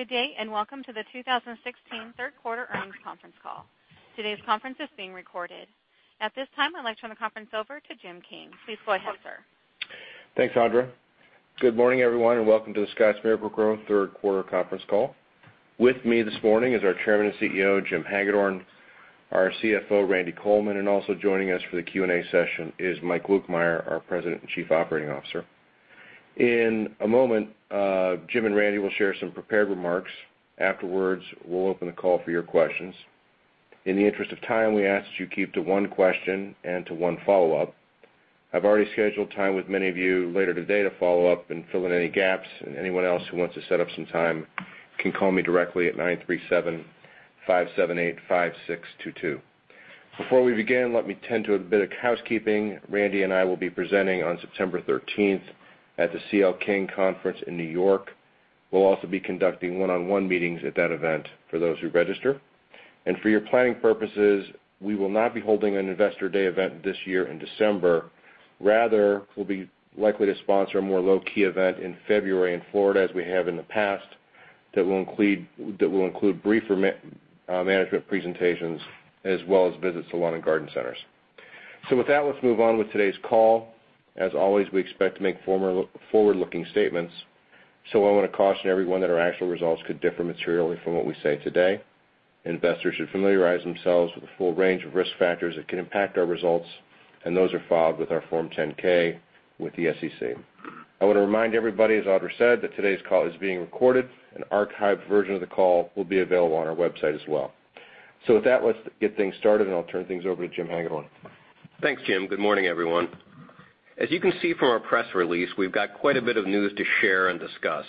Good day, welcome to the 2016 third quarter earnings conference call. Today's conference is being recorded. At this time, I'd like to turn the conference over to Jim King. Please go ahead, sir. Thanks, Audra. Good morning, everyone, welcome to The Scotts Miracle-Gro third quarter conference call. With me this morning is our Chairman and CEO, Jim Hagedorn, our CFO, Randy Coleman, also joining us for the Q&A session is Mike Lukemire, our President and Chief Operating Officer. In a moment, Jim and Randy will share some prepared remarks. Afterwards, we'll open the call for your questions. In the interest of time, we ask that you keep to one question and to one follow-up. I've already scheduled time with many of you later today to follow up and fill in any gaps, anyone else who wants to set up some time can call me directly at 937-578-5622. Before we begin, let me tend to a bit of housekeeping. Randy and I will be presenting on September 13th at the CL King conference in New York. We'll also be conducting one-on-one meetings at that event for those who register. For your planning purposes, we will not be holding an investor day event this year in December. Rather, we'll be likely to sponsor a more low-key event in February in Florida, as we have in the past, that will include brief management presentations as well as visits to lawn and garden centers. With that, let's move on with today's call. As always, we expect to make forward-looking statements, I want to caution everyone that our actual results could differ materially from what we say today. Investors should familiarize themselves with the full range of risk factors that could impact our results, those are filed with our Form 10-K with the SEC. I want to remind everybody, as Audra said, that today's call is being recorded. An archived version of the call will be available on our website as well. With that, let's get things started, I'll turn things over to Jim Hagedorn. Thanks, Jim. Good morning, everyone. As you can see from our press release, we've got quite a bit of news to share and discuss.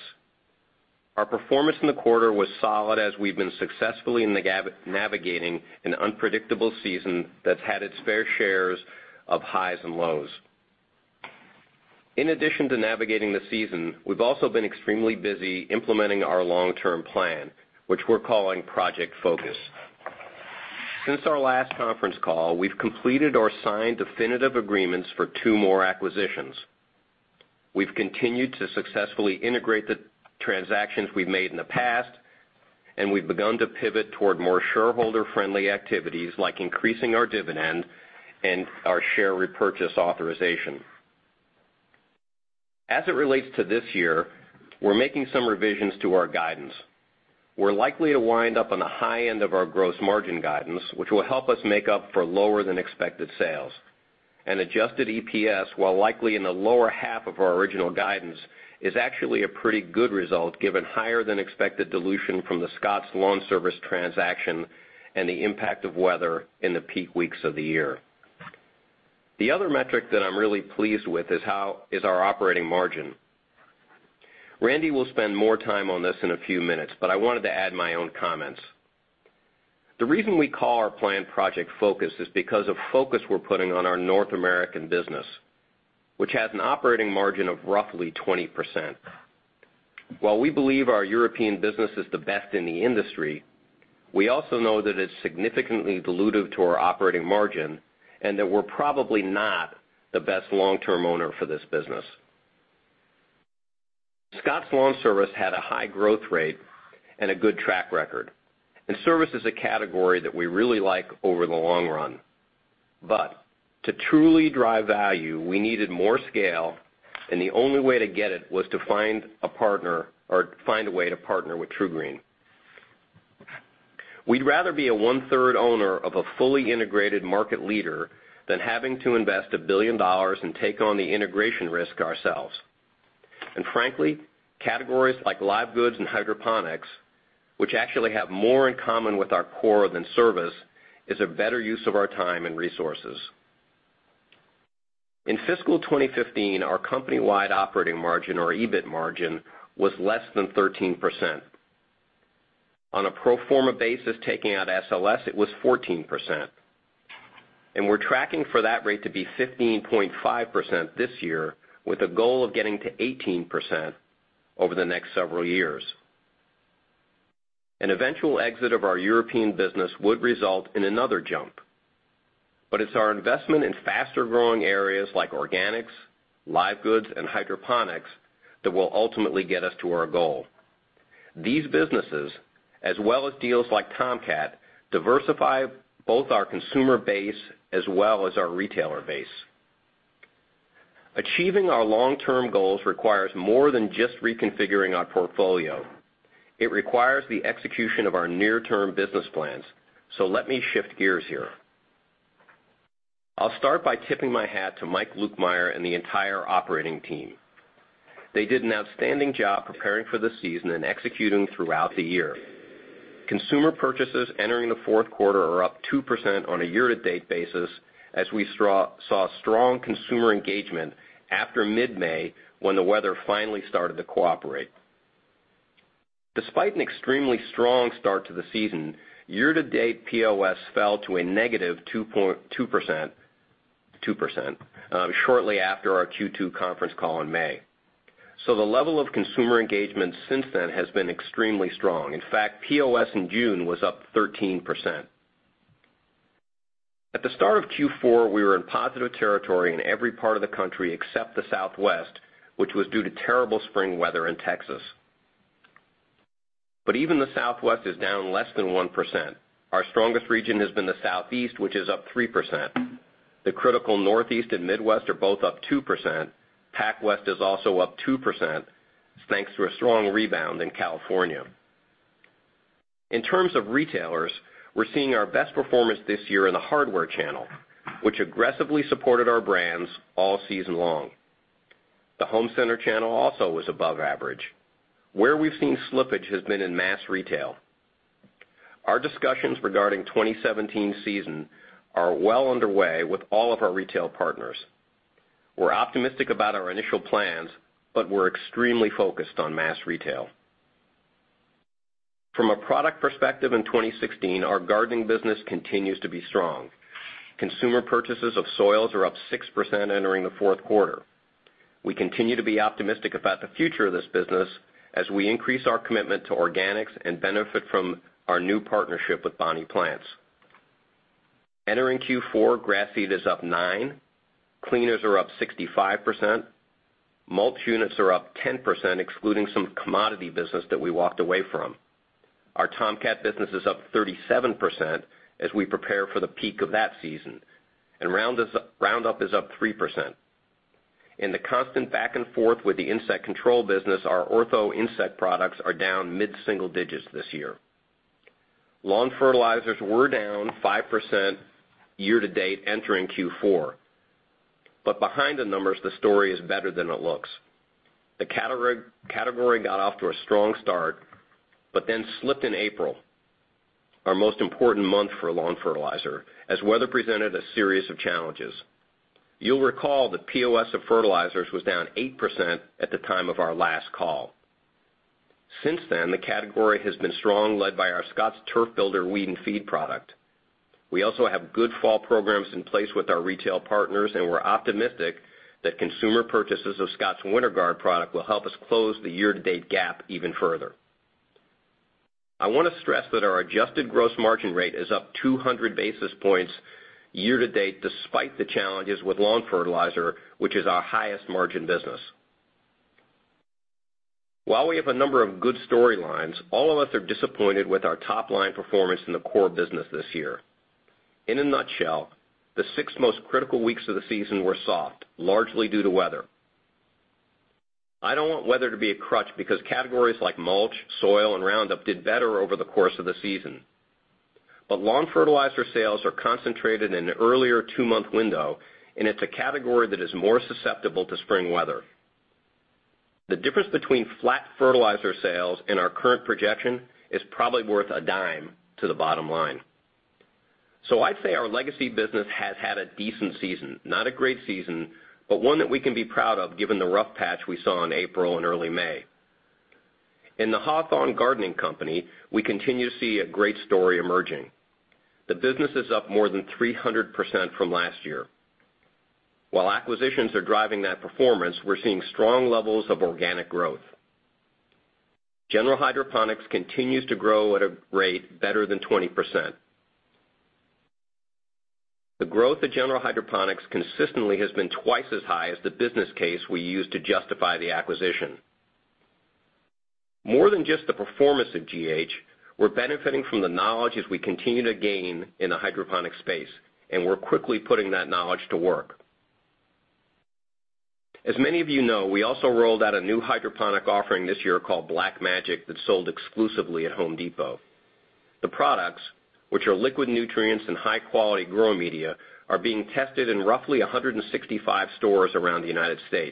Our performance in the quarter was solid as we've been successfully navigating an unpredictable season that's had its fair shares of highs and lows. In addition to navigating the season, we've also been extremely busy implementing our long-term plan, which we're calling Project Focus. Since our last conference call, we've completed or signed definitive agreements for two more acquisitions. We've continued to successfully integrate the transactions we've made in the past, and we've begun to pivot toward more shareholder-friendly activities, like increasing our dividend and our share repurchase authorization. As it relates to this year, we're making some revisions to our guidance. Adjusted EPS, while likely in the lower half of our original guidance, is actually a pretty good result given higher than expected dilution from the Scotts LawnService transaction and the impact of weather in the peak weeks of the year. The other metric that I'm really pleased with is our operating margin. Randy will spend more time on this in a few minutes, but I wanted to add my own comments. The reason we call our plan Project Focus is because of focus we're putting on our North American business, which has an operating margin of roughly 20%. While we believe our European business is the best in the industry, we also know that it's significantly dilutive to our operating margin and that we're probably not the best long-term owner for this business. Scotts LawnService had a high growth rate and a good track record, and service is a category that we really like over the long run. To truly drive value, we needed more scale, and the only way to get it was to find a way to partner with TruGreen. We'd rather be a one-third owner of a fully integrated market leader than having to invest $1 billion and take on the integration risk ourselves. Frankly, categories like live goods and hydroponics, which actually have more in common with our core than service, is a better use of our time and resources. In fiscal 2015, our company-wide operating margin or EBIT margin was less than 13%. On a pro forma basis, taking out SLS, it was 14%. We're tracking for that rate to be 15.5% this year with a goal of getting to 18% over the next several years. An eventual exit of our European business would result in another jump. It's our investment in faster-growing areas like organics, live goods, and hydroponics that will ultimately get us to our goal. These businesses, as well as deals like Tomcat, diversify both our consumer base as well as our retailer base. Achieving our long-term goals requires more than just reconfiguring our portfolio. It requires the execution of our near-term business plans. Let me shift gears here. I'll start by tipping my hat to Mike Lukemire and the entire operating team. They did an outstanding job preparing for the season and executing throughout the year. Consumer purchases entering the fourth quarter are up 2% on a year-to-date basis as we saw strong consumer engagement after mid-May when the weather finally started to cooperate. Despite an extremely strong start to the season, year-to-date POS fell to a negative 2% shortly after our Q2 conference call in May. The level of consumer engagement since then has been extremely strong. In fact, POS in June was up 13%. At the start of Q4, we were in positive territory in every part of the country except the Southwest, which was due to terrible spring weather in Texas. Even the Southwest is down less than 1%. Our strongest region has been the Southeast, which is up 3%. The critical Northeast and Midwest are both up 2%. Pac West is also up 2%, thanks to a strong rebound in California. In terms of retailers, we're seeing our best performance this year in the hardware channel, which aggressively supported our brands all season long. The home center channel also was above average. Where we've seen slippage has been in mass retail. Our discussions regarding 2017 season are well underway with all of our retail partners. We're optimistic about our initial plans, we're extremely focused on mass retail. From a product perspective in 2016, our gardening business continues to be strong. Consumer purchases of soils are up 6% entering the fourth quarter. We continue to be optimistic about the future of this business as we increase our commitment to organics and benefit from our new partnership with Bonnie Plants. Entering Q4, grass seed is up 9%. Cleaners are up 65%. Mulch units are up 10%, excluding some commodity business that we walked away from. Our Tomcat business is up 37% as we prepare for the peak of that season. Roundup is up 3%. In the constant back and forth with the insect control business, our Ortho insect products are down mid-single digits this year. Lawn fertilizers were down 5% year-to-date entering Q4. Behind the numbers, the story is better than it looks. The category got off to a strong start, then slipped in April, our most important month for lawn fertilizer, as weather presented a series of challenges. You'll recall that POS of fertilizers was down 8% at the time of our last call. Since then, the category has been strong, led by our Scotts Turf Builder Weed and Feed product. We also have good fall programs in place with our retail partners, we're optimistic that consumer purchases of Scotts WinterGuard product will help us close the year-to-date gap even further. I want to stress that our adjusted gross margin rate is up 200 basis points year-to-date, despite the challenges with lawn fertilizer, which is our highest margin business. While we have a number of good storylines, all of us are disappointed with our top-line performance in the core business this year. In a nutshell, the six most critical weeks of the season were soft, largely due to weather. I don't want weather to be a crutch because categories like mulch, soil, and Roundup did better over the course of the season. Lawn fertilizer sales are concentrated in an earlier two-month window, and it's a category that is more susceptible to spring weather. The difference between flat fertilizer sales and our current projection is probably worth a dime to the bottom line. I'd say our legacy business has had a decent season, not a great season, but one that we can be proud of given the rough patch we saw in April and early May. In the Hawthorne Gardening Company, we continue to see a great story emerging. The business is up more than 300% from last year. While acquisitions are driving that performance, we're seeing strong levels of organic growth. General Hydroponics continues to grow at a rate better than 20%. The growth of General Hydroponics consistently has been twice as high as the business case we used to justify the acquisition. More than just the performance of GH, we're benefiting from the knowledge as we continue to gain in the hydroponic space, and we're quickly putting that knowledge to work. As many of you know, we also rolled out a new hydroponic offering this year called Black Magic that's sold exclusively at Home Depot. The products, which are liquid nutrients and high-quality grow media, are being tested in roughly 165 stores around the U.S.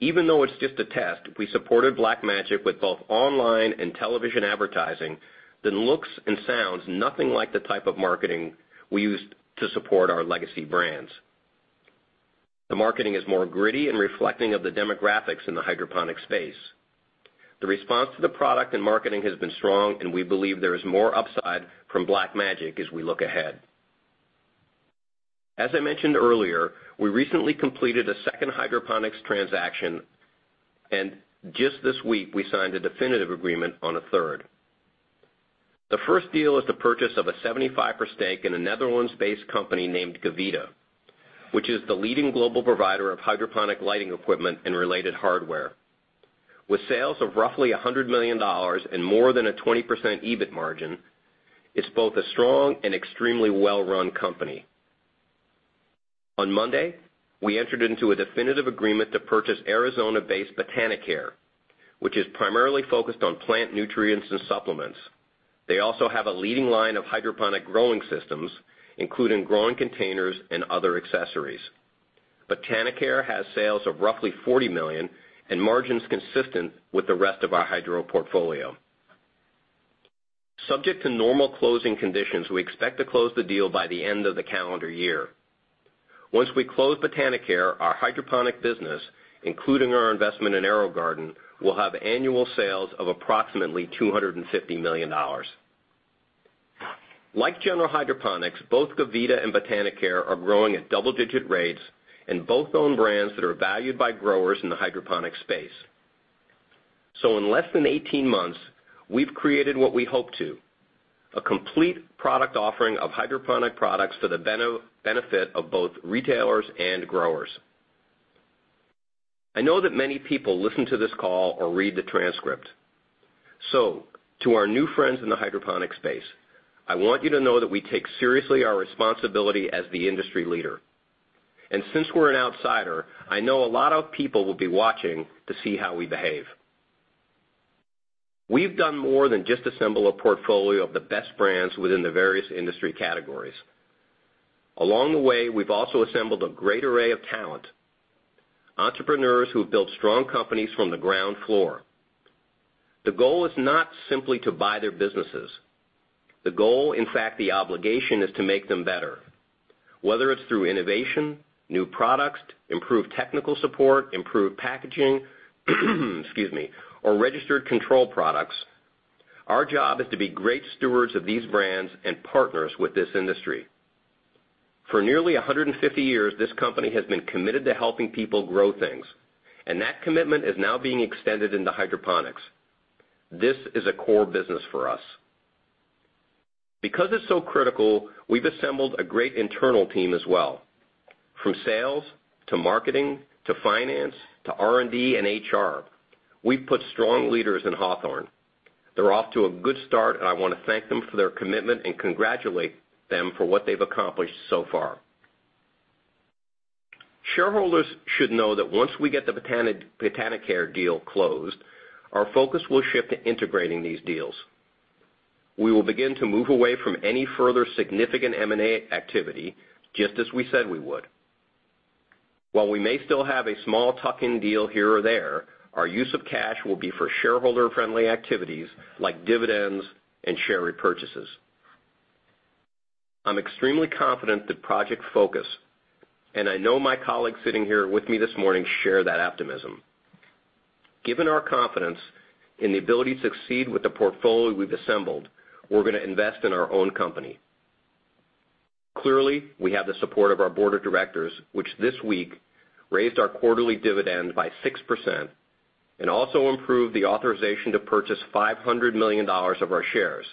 Even though it's just a test, we supported Black Magic with both online and television advertising that looks and sounds nothing like the type of marketing we used to support our legacy brands. The marketing is more gritty and reflecting of the demographics in the hydroponic space. The response to the product and marketing has been strong. We believe there is more upside from Black Magic as we look ahead. As I mentioned earlier, we recently completed a second hydroponics transaction. Just this week, we signed a definitive agreement on a third. The first deal is the purchase of a 75% stake in a Netherlands-based company named Gavita, which is the leading global provider of hydroponic lighting equipment and related hardware. With sales of roughly $100 million and more than a 20% EBIT margin, it's both a strong and extremely well-run company. On Monday, we entered into a definitive agreement to purchase Arizona-based Botanicare, which is primarily focused on plant nutrients and supplements. They also have a leading line of hydroponic growing systems, including growing containers and other accessories. Botanicare has sales of roughly $40 million and margins consistent with the rest of our hydro portfolio. Subject to normal closing conditions, we expect to close the deal by the end of the calendar year. Once we close Botanicare, our hydroponic business, including our investment in AeroGarden, will have annual sales of approximately $250 million. Like General Hydroponics, both Gavita and Botanicare are growing at double-digit rates and both own brands that are valued by growers in the hydroponic space. In less than 18 months, we've created a complete product offering of hydroponic products for the benefit of both retailers and growers. I know that many people listen to this call or read the transcript. To our new friends in the hydroponics space, I want you to know that we take seriously our responsibility as the industry leader. Since we're an outsider, I know a lot of people will be watching to see how we behave. We've done more than just assemble a portfolio of the best brands within the various industry categories. Along the way, we've also assembled a great array of talent, entrepreneurs who have built strong companies from the ground floor. The goal is not simply to buy their businesses. The goal, in fact, the obligation, is to make them better, whether it's through innovation, new products, improved technical support, improved packaging, excuse me, or registered control products. Our job is to be great stewards of these brands and partners with this industry. For nearly 150 years, this company has been committed to helping people grow things, and that commitment is now being extended into hydroponics. This is a core business for us. Because it's so critical, we've assembled a great internal team as well, from sales to marketing, to finance, to R&D and HR. We've put strong leaders in Hawthorne. They're off to a good start, and I want to thank them for their commitment and congratulate them for what they've accomplished so far. Shareholders should know that once we get the Botanicare deal closed, our focus will shift to integrating these deals. We will begin to move away from any further significant M&A activity, just as we said we would. While we may still have a small tuck-in deal here or there, our use of cash will be for shareholder-friendly activities like dividends and share repurchases. I'm extremely confident that Project Focus, and I know my colleagues sitting here with me this morning share that optimism. Given our confidence in the ability to succeed with the portfolio we've assembled, we're going to invest in our own company. Clearly, we have the support of our board of directors, which this week raised our quarterly dividend by 6% and also improved the authorization to purchase $500 million of our shares.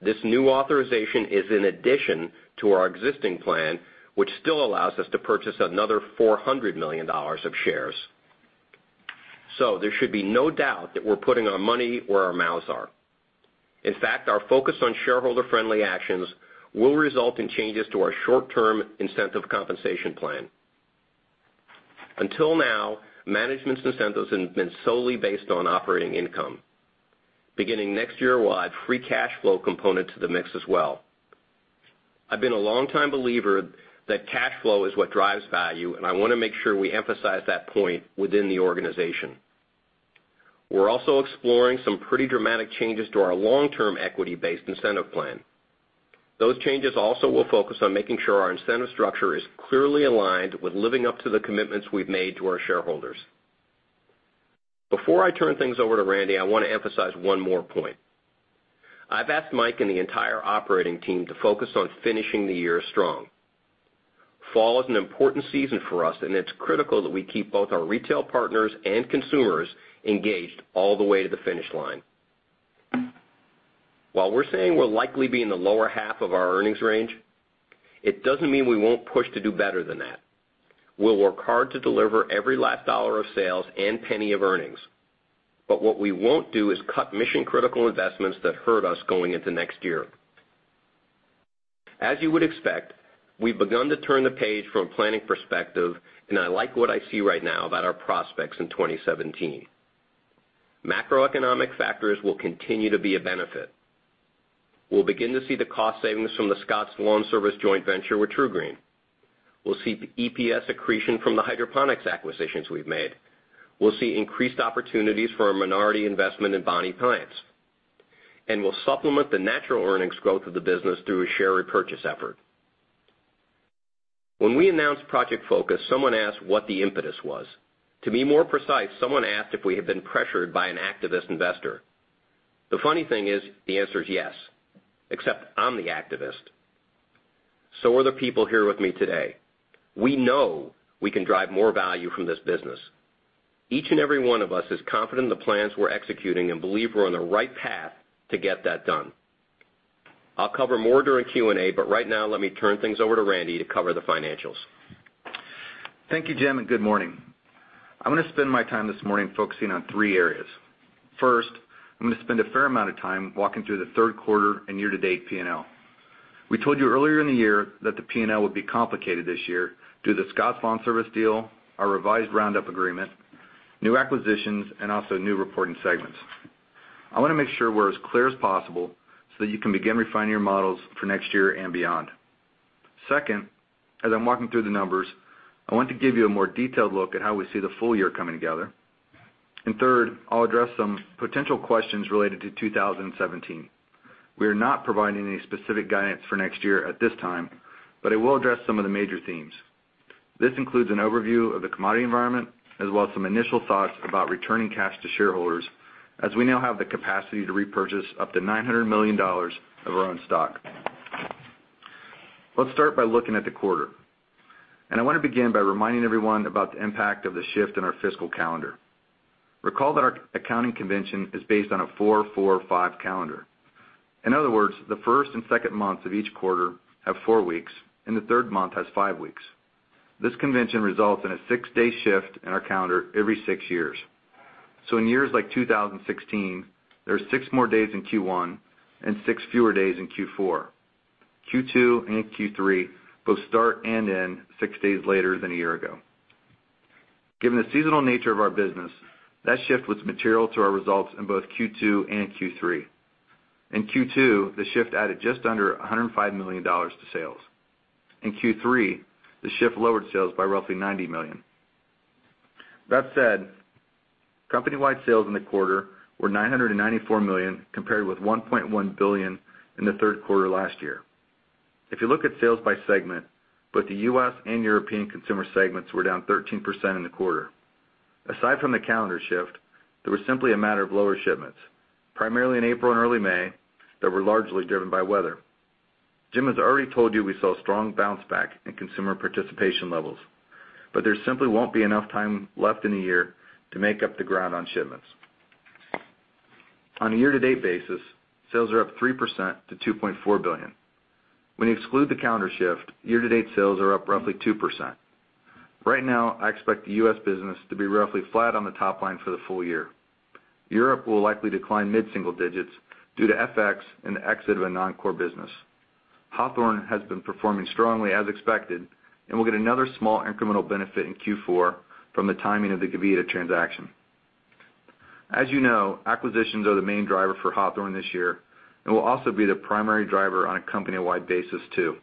This new authorization is in addition to our existing plan, which still allows us to purchase another $400 million of shares. There should be no doubt that we're putting our money where our mouths are. In fact, our focus on shareholder-friendly actions will result in changes to our short-term incentive compensation plan. Until now, management's incentives have been solely based on operating income. Beginning next year, we'll add free cash flow component to the mix as well. I've been a long-time believer that cash flow is what drives value, and I want to make sure we emphasize that point within the organization. We're also exploring some pretty dramatic changes to our long-term equity-based incentive plan. Those changes also will focus on making sure our incentive structure is clearly aligned with living up to the commitments we've made to our shareholders. Before I turn things over to Randy, I want to emphasize one more point. I've asked Mike and the entire operating team to focus on finishing the year strong. Fall is an important season for us, and it's critical that we keep both our retail partners and consumers engaged all the way to the finish line. While we're saying we'll likely be in the lower half of our earnings range, it doesn't mean we won't push to do better than that. We'll work hard to deliver every last dollar of sales and penny of earnings. What we won't do is cut mission-critical investments that hurt us going into next year. As you would expect, we've begun to turn the page from a planning perspective, and I like what I see right now about our prospects in 2017. Macroeconomic factors will continue to be a benefit. We'll begin to see the cost savings from the Scotts LawnService joint venture with TruGreen. We'll see EPS accretion from the hydroponics acquisitions we've made. We'll supplement the natural earnings growth of the business through a share repurchase effort. When we announced Project Focus, someone asked what the impetus was. To be more precise, someone asked if we had been pressured by an activist investor. The funny thing is the answer is yes, except I'm the activist. Are the people here with me today. We know we can drive more value from this business. Each and every one of us is confident in the plans we're executing and believe we're on the right path to get that done. I'll cover more during Q&A, but right now let me turn things over to Randy to cover the financials. Thank you, Jim. Good morning. I'm going to spend my time this morning focusing on three areas. First, I'm going to spend a fair amount of time walking through the third quarter and year-to-date P&L. We told you earlier in the year that the P&L would be complicated this year due to the Scotts LawnService deal, our revised Roundup agreement, new acquisitions, and also new reporting segments. I want to make sure we're as clear as possible so that you can begin refining your models for next year and beyond. Second, as I'm walking through the numbers, I want to give you a more detailed look at how we see the full year coming together. Third, I'll address some potential questions related to 2017. We are not providing any specific guidance for next year at this time, but I will address some of the major themes. This includes an overview of the commodity environment as well as some initial thoughts about returning cash to shareholders as we now have the capacity to repurchase up to $900 million of our own stock. Let's start by looking at the quarter. I want to begin by reminding everyone about the impact of the shift in our fiscal calendar. Recall that our accounting convention is based on a four-four-five calendar. In other words, the first and second months of each quarter have four weeks, and the third month has five weeks. This convention results in a six-day shift in our calendar every six years. In years like 2016, there are six more days in Q1 and six fewer days in Q4. Q2 and Q3 both start and end six days later than a year ago. Given the seasonal nature of our business, that shift was material to our results in both Q2 and Q3. In Q2, the shift added just under $105 million to sales. In Q3, the shift lowered sales by roughly $90 million. That said, company-wide sales in the quarter were $994 million compared with $1.1 billion in the third quarter last year. If you look at sales by segment, both the U.S. and European consumer segments were down 13% in the quarter. Aside from the calendar shift, there was simply a matter of lower shipments, primarily in April and early May, that were largely driven by weather. Jim has already told you we saw a strong bounce back in consumer participation levels, there simply won't be enough time left in the year to make up the ground on shipments. On a year-to-date basis, sales are up 3% to $2.4 billion. When you exclude the calendar shift, year-to-date sales are up roughly 2%. Right now, I expect the U.S. business to be roughly flat on the top line for the full year. Europe will likely decline mid-single digits due to FX and the exit of a non-core business. Hawthorne has been performing strongly as expected and will get another small incremental benefit in Q4 from the timing of the Gavita transaction. As you know, acquisitions are the main driver for Hawthorne this year and will also be the primary driver on a company-wide basis too.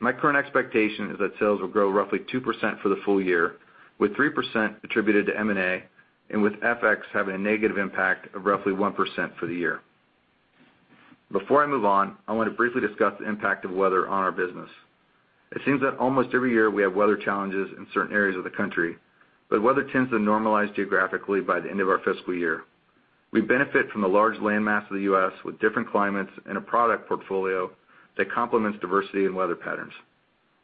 My current expectation is that sales will grow roughly 2% for the full year, with 3% attributed to M&A and with FX having a negative impact of roughly 1% for the year. Before I move on, I want to briefly discuss the impact of weather on our business. It seems that almost every year we have weather challenges in certain areas of the country, but weather tends to normalize geographically by the end of our fiscal year. We benefit from the large land mass of the U.S. with different climates and a product portfolio that complements diversity in weather patterns.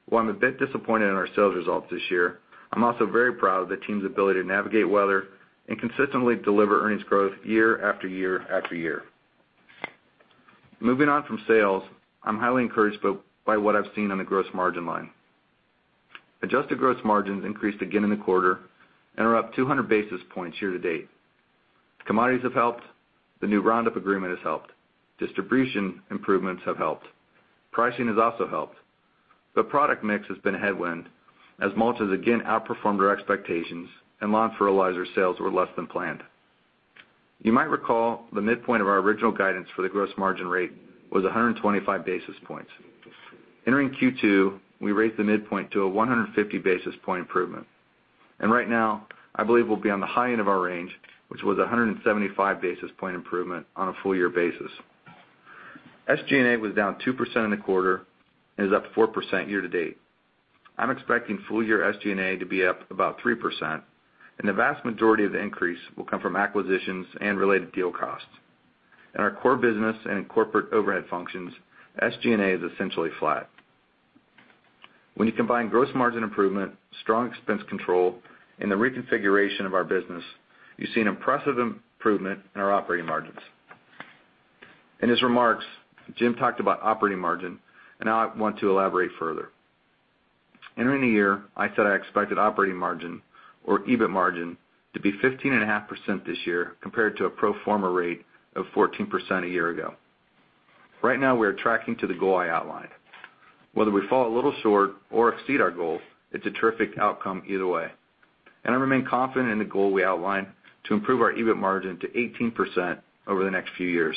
While I'm a bit disappointed in our sales results this year, I'm also very proud of the team's ability to navigate weather and consistently deliver earnings growth year after year after year. Moving on from sales, I'm highly encouraged by what I've seen on the gross margin line. Adjusted gross margins increased again in the quarter and are up 200 basis points year to date. Commodities have helped. The new Roundup agreement has helped. Distribution improvements have helped. Pricing has also helped. Product mix has been a headwind, as mulches again outperformed our expectations and lawn fertilizer sales were less than planned. You might recall the midpoint of our original guidance for the gross margin rate was 125 basis points. Entering Q2, we raised the midpoint to a 150 basis point improvement. Right now, I believe we'll be on the high end of our range, which was 175 basis point improvement on a full year basis. SG&A was down 2% in the quarter and is up 4% year to date. I'm expecting full year SG&A to be up about 3%. The vast majority of the increase will come from acquisitions and related deal costs. In our core business and in corporate overhead functions, SG&A is essentially flat. When you combine gross margin improvement, strong expense control, and the reconfiguration of our business, you see an impressive improvement in our operating margins. In his remarks, Jim talked about operating margin. Now I want to elaborate further. Entering the year, I said I expected operating margin or EBIT margin to be 15.5% this year compared to a pro forma rate of 14% a year ago. Right now, we are tracking to the goal I outlined. Whether we fall a little short or exceed our goal, it's a terrific outcome either way. I remain confident in the goal we outlined to improve our EBIT margin to 18% over the next few years.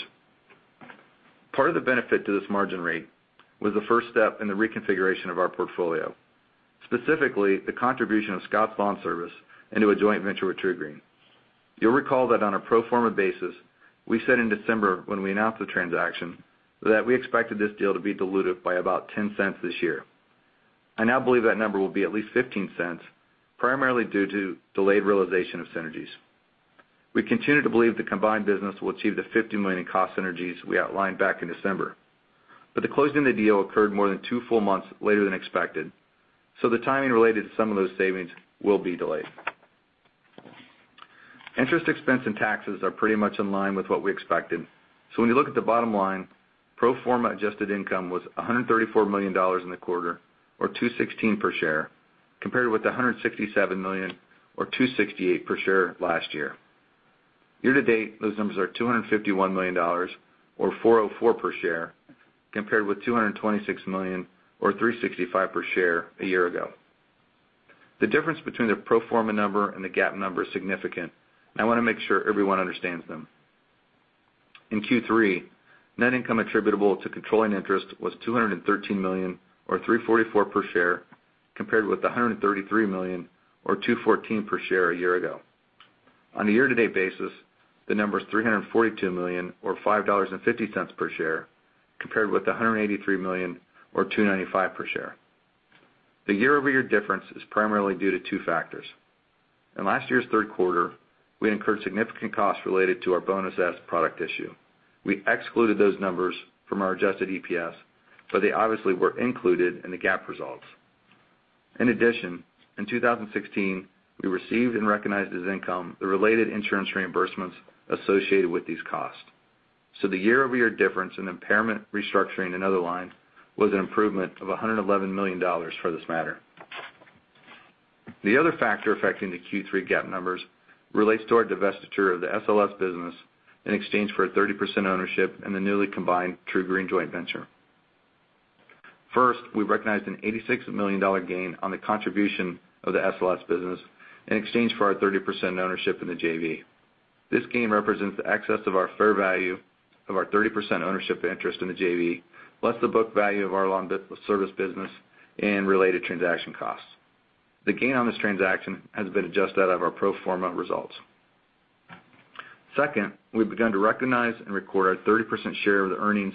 Part of the benefit to this margin rate was the first step in the reconfiguration of our portfolio, specifically the contribution of Scotts LawnService into a joint venture with TruGreen. You'll recall that on a pro forma basis, we said in December when we announced the transaction that we expected this deal to be dilutive by about $0.10 this year. I now believe that number will be at least $0.15, primarily due to delayed realization of synergies. We continue to believe the combined business will achieve the $50 million cost synergies we outlined back in December. The closing of the deal occurred more than two full months later than expected, the timing related to some of those savings will be delayed. Interest expense and taxes are pretty much in line with what we expected. When you look at the bottom line, pro forma adjusted income was $134 million in the quarter, or $2.16 per share, compared with $167 million or $2.68 per share last year. Year-to-date, those numbers are $251 million, or $4.04 per share, compared with $226 million or $3.65 per share a year ago. The difference between the pro forma number and the GAAP number is significant, and I want to make sure everyone understands them. In Q3, net income attributable to controlling interest was $213 million, or $3.44 per share, compared with $133 million or $2.14 per share a year ago. On a year-to-date basis, the number is $342 million or $5.50 per share, compared with $183 million or $2.95 per share. The year-over-year difference is primarily due to two factors. In last year's third quarter, we incurred significant costs related to our Bonus S product issue. We excluded those numbers from our adjusted EPS, they obviously were included in the GAAP results. In addition, in 2016, we received and recognized as income the related insurance reimbursements associated with these costs. The year-over-year difference in impairment, restructuring, and other lines was an improvement of $111 million for this matter. The other factor affecting the Q3 GAAP numbers relates to our divestiture of the SLS business in exchange for a 30% ownership in the newly combined TruGreen joint venture. First, we recognized an $86 million gain on the contribution of the SLS business in exchange for our 30% ownership in the JV. This gain represents the excess of our fair value of our 30% ownership interest in the JV, plus the book value of our lawn service business and related transaction costs. The gain on this transaction has been adjusted out of our pro forma results. Second, we've begun to recognize and record our 30% share of the earnings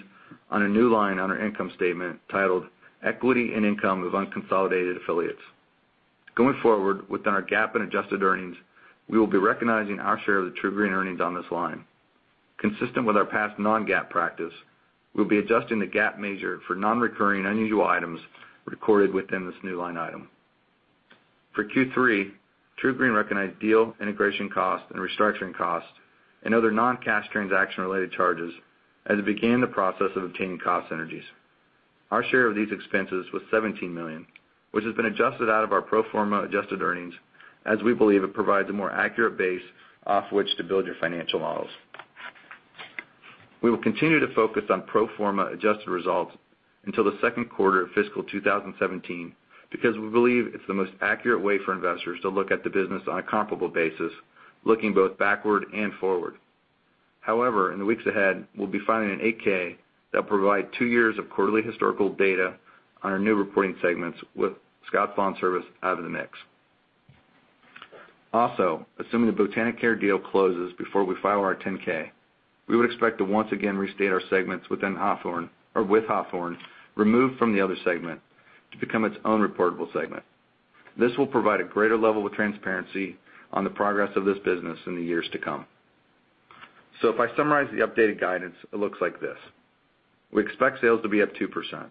on a new line on our income statement titled Equity in income of unconsolidated affiliates. Going forward within our GAAP and adjusted earnings, we will be recognizing our share of the TruGreen earnings on this line. Consistent with our past non-GAAP practice, we'll be adjusting the GAAP measure for non-recurring and unusual items recorded within this new line item. For Q3, TruGreen recognized deal integration costs and restructuring costs and other non-cash transaction related charges as it began the process of obtaining cost synergies. Our share of these expenses was $17 million, which has been adjusted out of our pro forma adjusted earnings, as we believe it provides a more accurate base off which to build your financial models. We will continue to focus on pro forma adjusted results until the second quarter of fiscal 2017 because we believe it's the most accurate way for investors to look at the business on a comparable basis, looking both backward and forward. However, in the weeks ahead, we'll be filing an 8-K that'll provide two years of quarterly historical data on our new reporting segments with Scotts LawnService out of the mix. Also, assuming the Botanicare deal closes before we file our 10-K, we would expect to once again restate our segments within Hawthorne or with Hawthorne removed from the other segment to become its own reportable segment. This will provide a greater level of transparency on the progress of this business in the years to come. If I summarize the updated guidance, it looks like this. We expect sales to be up 2%,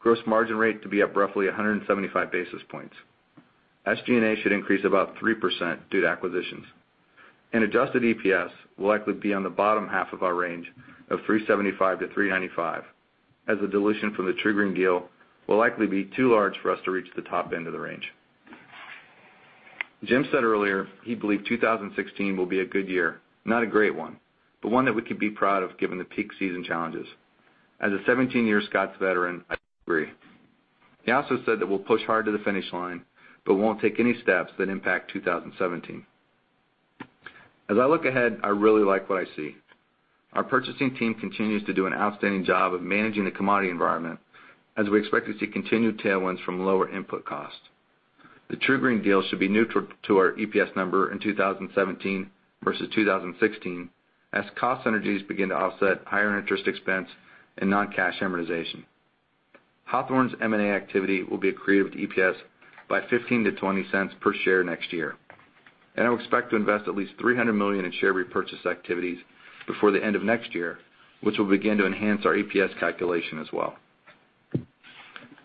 gross margin rate to be up roughly 175 basis points. SG&A should increase about 3% due to acquisitions, and adjusted EPS will likely be on the bottom half of our range of $3.75-$3.95, as the dilution from the TruGreen deal will likely be too large for us to reach the top end of the range. Jim said earlier he believed 2016 will be a good year, not a great one, but one that we could be proud of given the peak season challenges. As a 17-year Scotts veteran, I agree. He also said that we'll push hard to the finish line, but won't take any steps that impact 2017. As I look ahead, I really like what I see. Our purchasing team continues to do an outstanding job of managing the commodity environment as we expect to see continued tailwinds from lower input costs. The TruGreen deal should be neutral to our EPS number in 2017 versus 2016 as cost synergies begin to offset higher interest expense and non-cash amortization. Hawthorne's M&A activity will be accretive to EPS by $0.15-$0.20 per share next year, and I would expect to invest at least $300 million in share repurchase activities before the end of next year, which will begin to enhance our EPS calculation as well.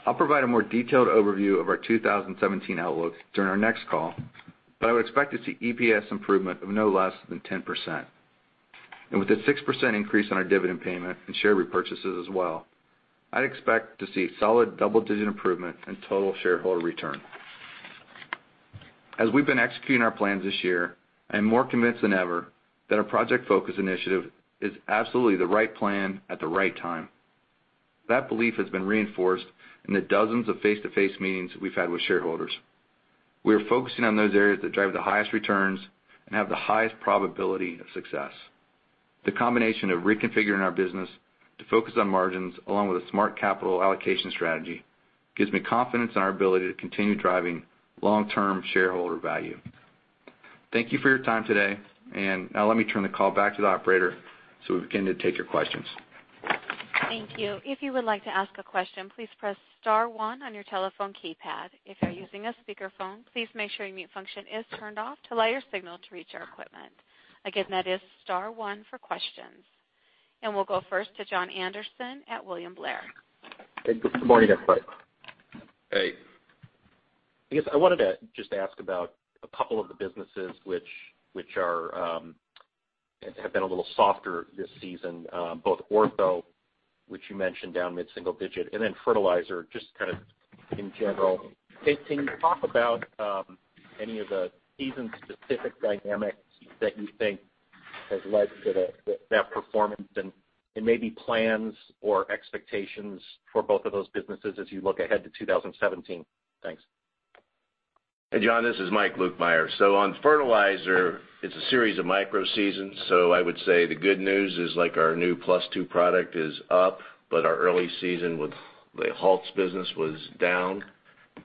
I'll provide a more detailed overview of our 2017 outlook during our next call, but I would expect to see EPS improvement of no less than 10%. With a 6% increase on our dividend payment and share repurchases as well, I'd expect to see solid double-digit improvement in total shareholder return. As we've been executing our plans this year, I am more convinced than ever that our Project Focus initiative is absolutely the right plan at the right time. That belief has been reinforced in the dozens of face-to-face meetings we've had with shareholders. We are focusing on those areas that drive the highest returns and have the highest probability of success. The combination of reconfiguring our business to focus on margins along with a smart capital allocation strategy gives me confidence in our ability to continue driving long-term shareholder value. Thank you for your time today, and now let me turn the call back to the operator so we can begin to take your questions. Thank you. If you would like to ask a question, please press star one on your telephone keypad. If you're using a speakerphone, please make sure your mute function is turned off to allow your signal to reach our equipment. Again, that is star one for questions. We'll go first to Jon Andersen at William Blair. Good morning, everybody. Hey. I guess I wanted to just ask about a couple of the businesses which have been a little softer this season, both Ortho, which you mentioned down mid-single digit, fertilizer just kind of in general. Can you talk about any of the season-specific dynamics that you think has led to that performance and maybe plans or expectations for both of those businesses as you look ahead to 2017? Thanks. Hey, Jon, this is Mike Lukemire. On fertilizer, it's a series of micro seasons, I would say the good news is like our new Plus 2 product is up, our early season with the Halts business was down.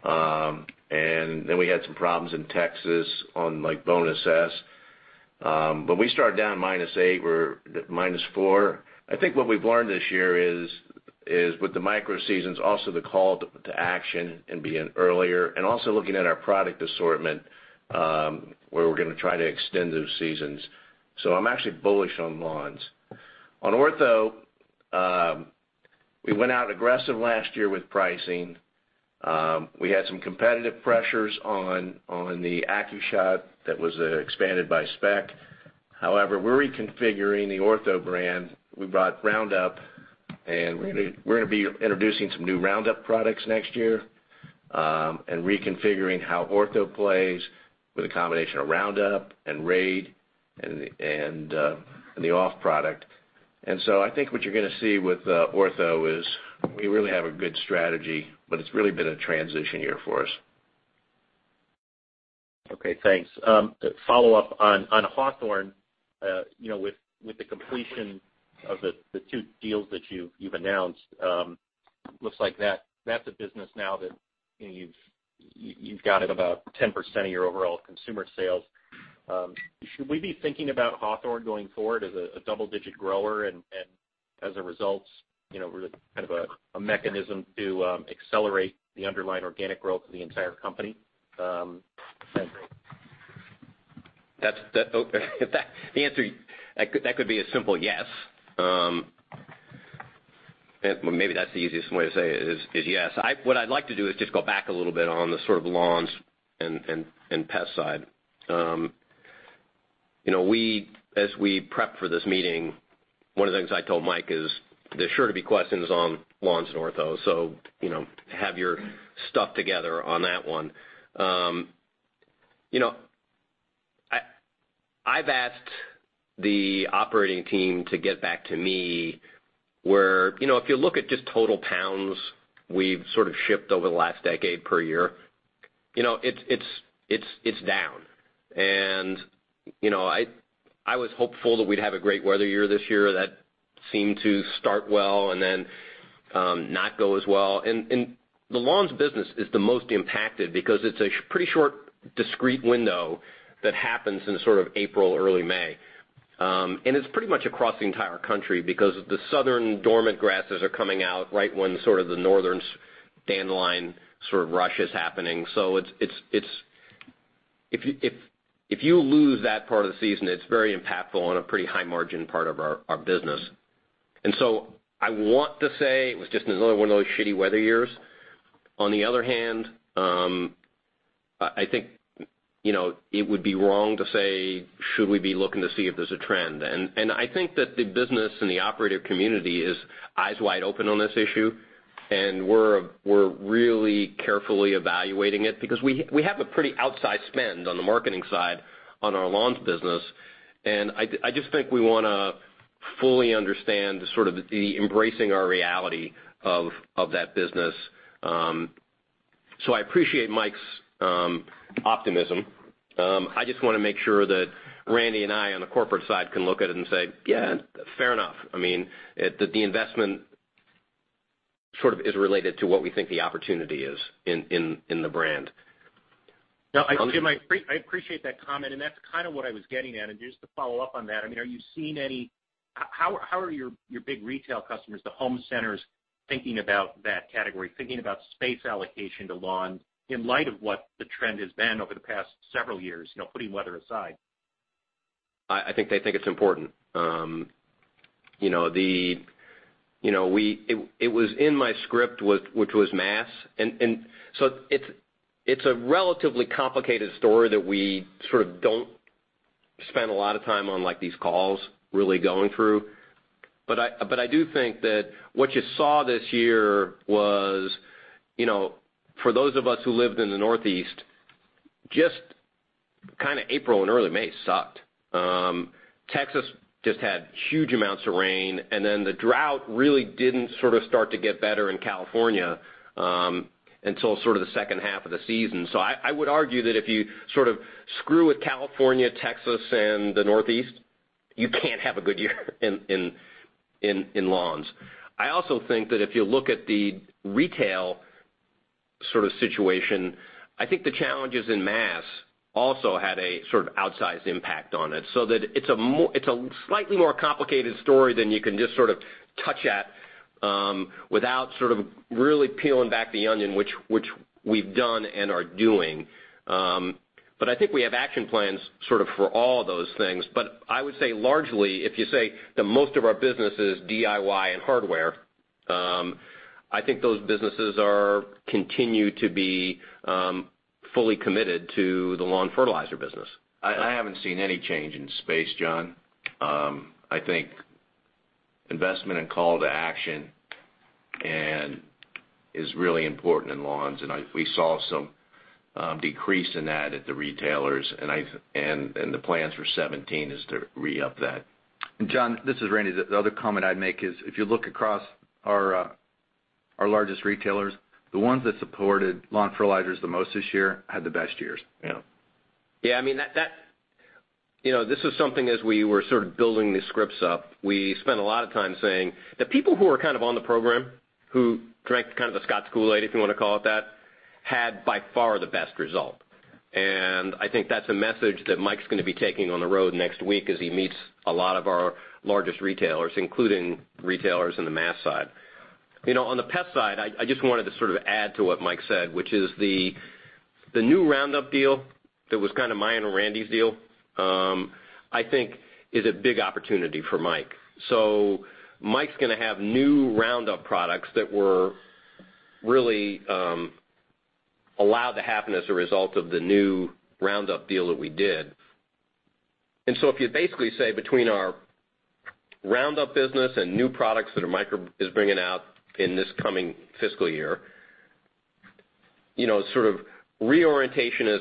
We had some problems in Texas on Bonus S. We started down -8, we're at -4. I think what we've learned this year is with the micro seasons, also the call to action and begin earlier. Also looking at our product assortment, where we're going to try to extend those seasons. I'm actually bullish on lawns. On Ortho, we went out aggressive last year with pricing. We had some competitive pressures on the AccuShot that was expanded by spec. However, we're reconfiguring the Ortho brand. We bought Roundup, and we're going to be introducing some new Roundup products next year, and reconfiguring how Ortho plays with a combination of Roundup and Raid and the OFF! product. I think what you're going to see with Ortho is we really have a good strategy, but it's really been a transition year for us. Okay, thanks. To follow up on Hawthorne, with the completion of the 2 deals that you've announced, looks like that's a business now that you've got at about 10% of your overall consumer sales. Should we be thinking about Hawthorne going forward as a double-digit grower and as a result, kind of a mechanism to accelerate the underlying organic growth of the entire company? That could be a simple yes. Maybe that's the easiest way to say it, is yes. What I'd like to do is just go back a little bit on the sort of lawns and pest side. As we prepped for this meeting, one of the things I told Mike is there's sure to be questions on lawns and Ortho, so have your stuff together on that one. I've asked the operating team to get back to me where, if you look at just total pounds we've sort of shipped over the last decade per year, it's down. I was hopeful that we'd have a great weather year this year that seemed to start well and then not go as well. The lawns business is the most impacted because it's a pretty short, discrete window that happens in sort of April, early May. It's pretty much across the entire country because the southern dormant grasses are coming out right when sort of the northern dandelion sort of rush is happening. If you lose that part of the season, it's very impactful on a pretty high margin part of our business. I want to say it was just another one of those shitty weather years. On the other hand, I think it would be wrong to say, should we be looking to see if there's a trend? I think that the business and the operator community is eyes wide open on this issue, and we're really carefully evaluating it because we have a pretty outsized spend on the marketing side on our lawns business. I just think we want to fully understand the sort of the embracing our reality of that business. I appreciate Mike's optimism. I just want to make sure that Randy and I on the corporate side can look at it and say, "Yeah, fair enough." I mean, that the investment sort of is related to what we think the opportunity is in the brand. No, Jim, I appreciate that comment, that's kind of what I was getting at. Just to follow up on that, are you seeing any how are your big retail customers, the home centers, thinking about that category? Thinking about space allocation to lawn in light of what the trend has been over the past several years, putting weather aside. I think they think it's important. It was in my script, which was mass. It's a relatively complicated story that we sort of don't spend a lot of time on these calls really going through. I do think that what you saw this year was, for those of us who lived in the Northeast, just kind of April and early May sucked. Texas just had huge amounts of rain, then the drought really didn't sort of start to get better in California until sort of the second half of the season. I would argue that if you sort of screw with California, Texas, and the Northeast, you can't have a good year in lawns. I also think that if you look at the retail sort of situation, I think the challenges in mass also had a sort of outsized impact on it, that it's a slightly more complicated story than you can just sort of touch at without sort of really peeling back the onion, which we've done and are doing. I think we have action plans sort of for all those things. I would say largely, if you say that most of our business is DIY and hardware, I think those businesses continue to be fully committed to the lawn fertilizer business. I haven't seen any change in space, Jon. I think investment and call to action is really important in lawns, we saw some decrease in that at the retailers, the plans for 2017 is to re-up that. Jon, this is Randy. The other comment I'd make is if you look across our largest retailers, the ones that supported lawn fertilizers the most this year had the best years. Yeah. I mean, this is something as we were sort of building these scripts up, we spent a lot of time saying the people who are kind of on the program, who drank kind of the Scotts Kool-Aid, if you want to call it that, had by far the best result. I think that's a message that Mike's going to be taking on the road next week as he meets a lot of our largest retailers, including retailers in the mass side. On the pest side, I just wanted to sort of add to what Mike said, which is the new Roundup deal that was kind of mine and Randy's deal, I think is a big opportunity for Mike. Mike's going to have new Roundup products that were really allowed to happen as a result of the new Roundup deal that we did. If you basically say between our Roundup business and new products that Mike is bringing out in this coming fiscal year, sort of reorientation as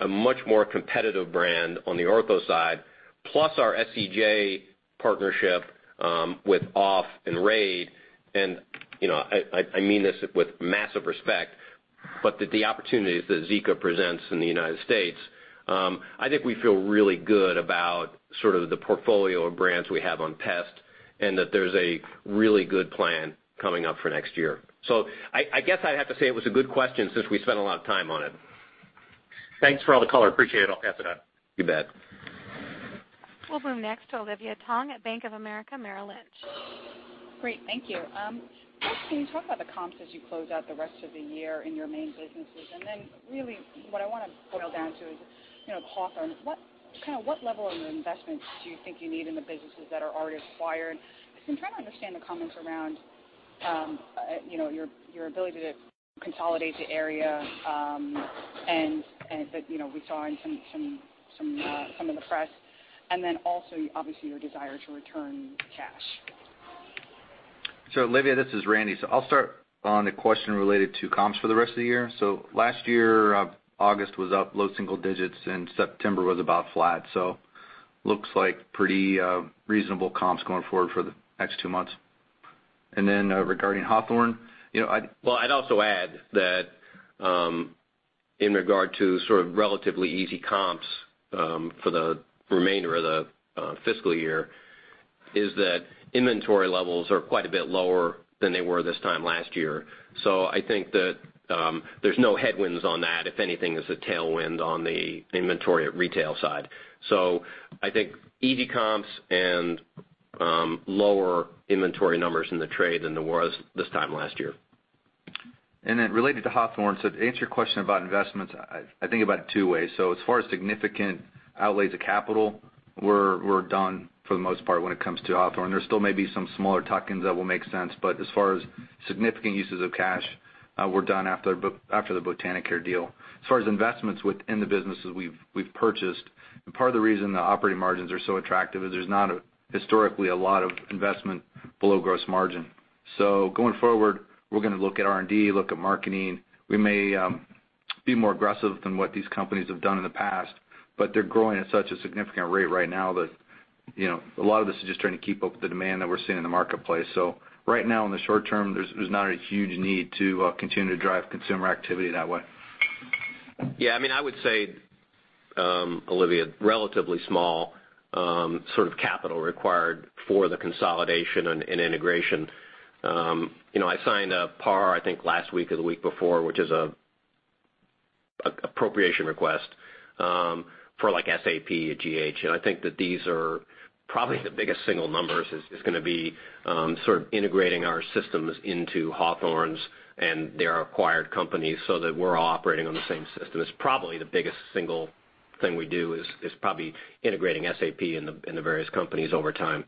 a much more competitive brand on the Ortho side, plus our SCJ partnership, with OFF! and Raid, and I mean this with massive respect, but the opportunities that Zika presents in the U.S., I think we feel really good about sort of the portfolio of brands we have on pest, and that there's a really good plan coming up for next year. I guess I'd have to say it was a good question since we spent a lot of time on it. Thanks for all the color. Appreciate it. I'll pass it on. You bet. We'll move next to Olivia Tong at Bank of America, Merrill Lynch. Great. Thank you. Can you talk about the comps as you close out the rest of the year in your main businesses? Really what I want to boil down to is Hawthorne. What level of investments do you think you need in the businesses that are already acquired? I'm trying to understand the comments around your ability to consolidate the area, that we saw in some of the press, and then also obviously your desire to return cash. Olivia, this is Randy. I'll start on the question related to comps for the rest of the year. Last year, August was up low single digits and September was about flat. Looks like pretty reasonable comps going forward for the next two months. Then, regarding Hawthorne. I'd also add that, in regard to sort of relatively easy comps for the remainder of the fiscal year, is that inventory levels are quite a bit lower than they were this time last year. I think that there's no headwinds on that. If anything, it's a tailwind on the inventory at retail side. I think easy comps and lower inventory numbers in the trade than there was this time last year. Then related to Hawthorne, to answer your question about investments, I think about it two ways. As far as significant outlays of capital, we're done for the most part when it comes to Hawthorne. There still may be some smaller tuck-ins that will make sense, but as far as significant uses of cash, we're done after the Botanicare deal. As far as investments within the businesses we've purchased, and part of the reason the operating margins are so attractive is there's not historically a lot of investment below gross margin. Going forward, we're going to look at R&D, look at marketing. We may be more aggressive than what these companies have done in the past, but they're growing at such a significant rate right now that a lot of this is just trying to keep up with the demand that we're seeing in the marketplace. Right now in the short term, there's not a huge need to continue to drive consumer activity that way. Yeah, I would say, Olivia, relatively small sort of capital required for the consolidation and integration. I signed a PAR, I think last week or the week before, which is an appropriation request, for like SAP at GH. I think that these are probably the biggest single numbers is gonna be sort of integrating our systems into Hawthorne's and their acquired companies so that we're all operating on the same system. It's probably the biggest single thing we do is probably integrating SAP in the various companies over time.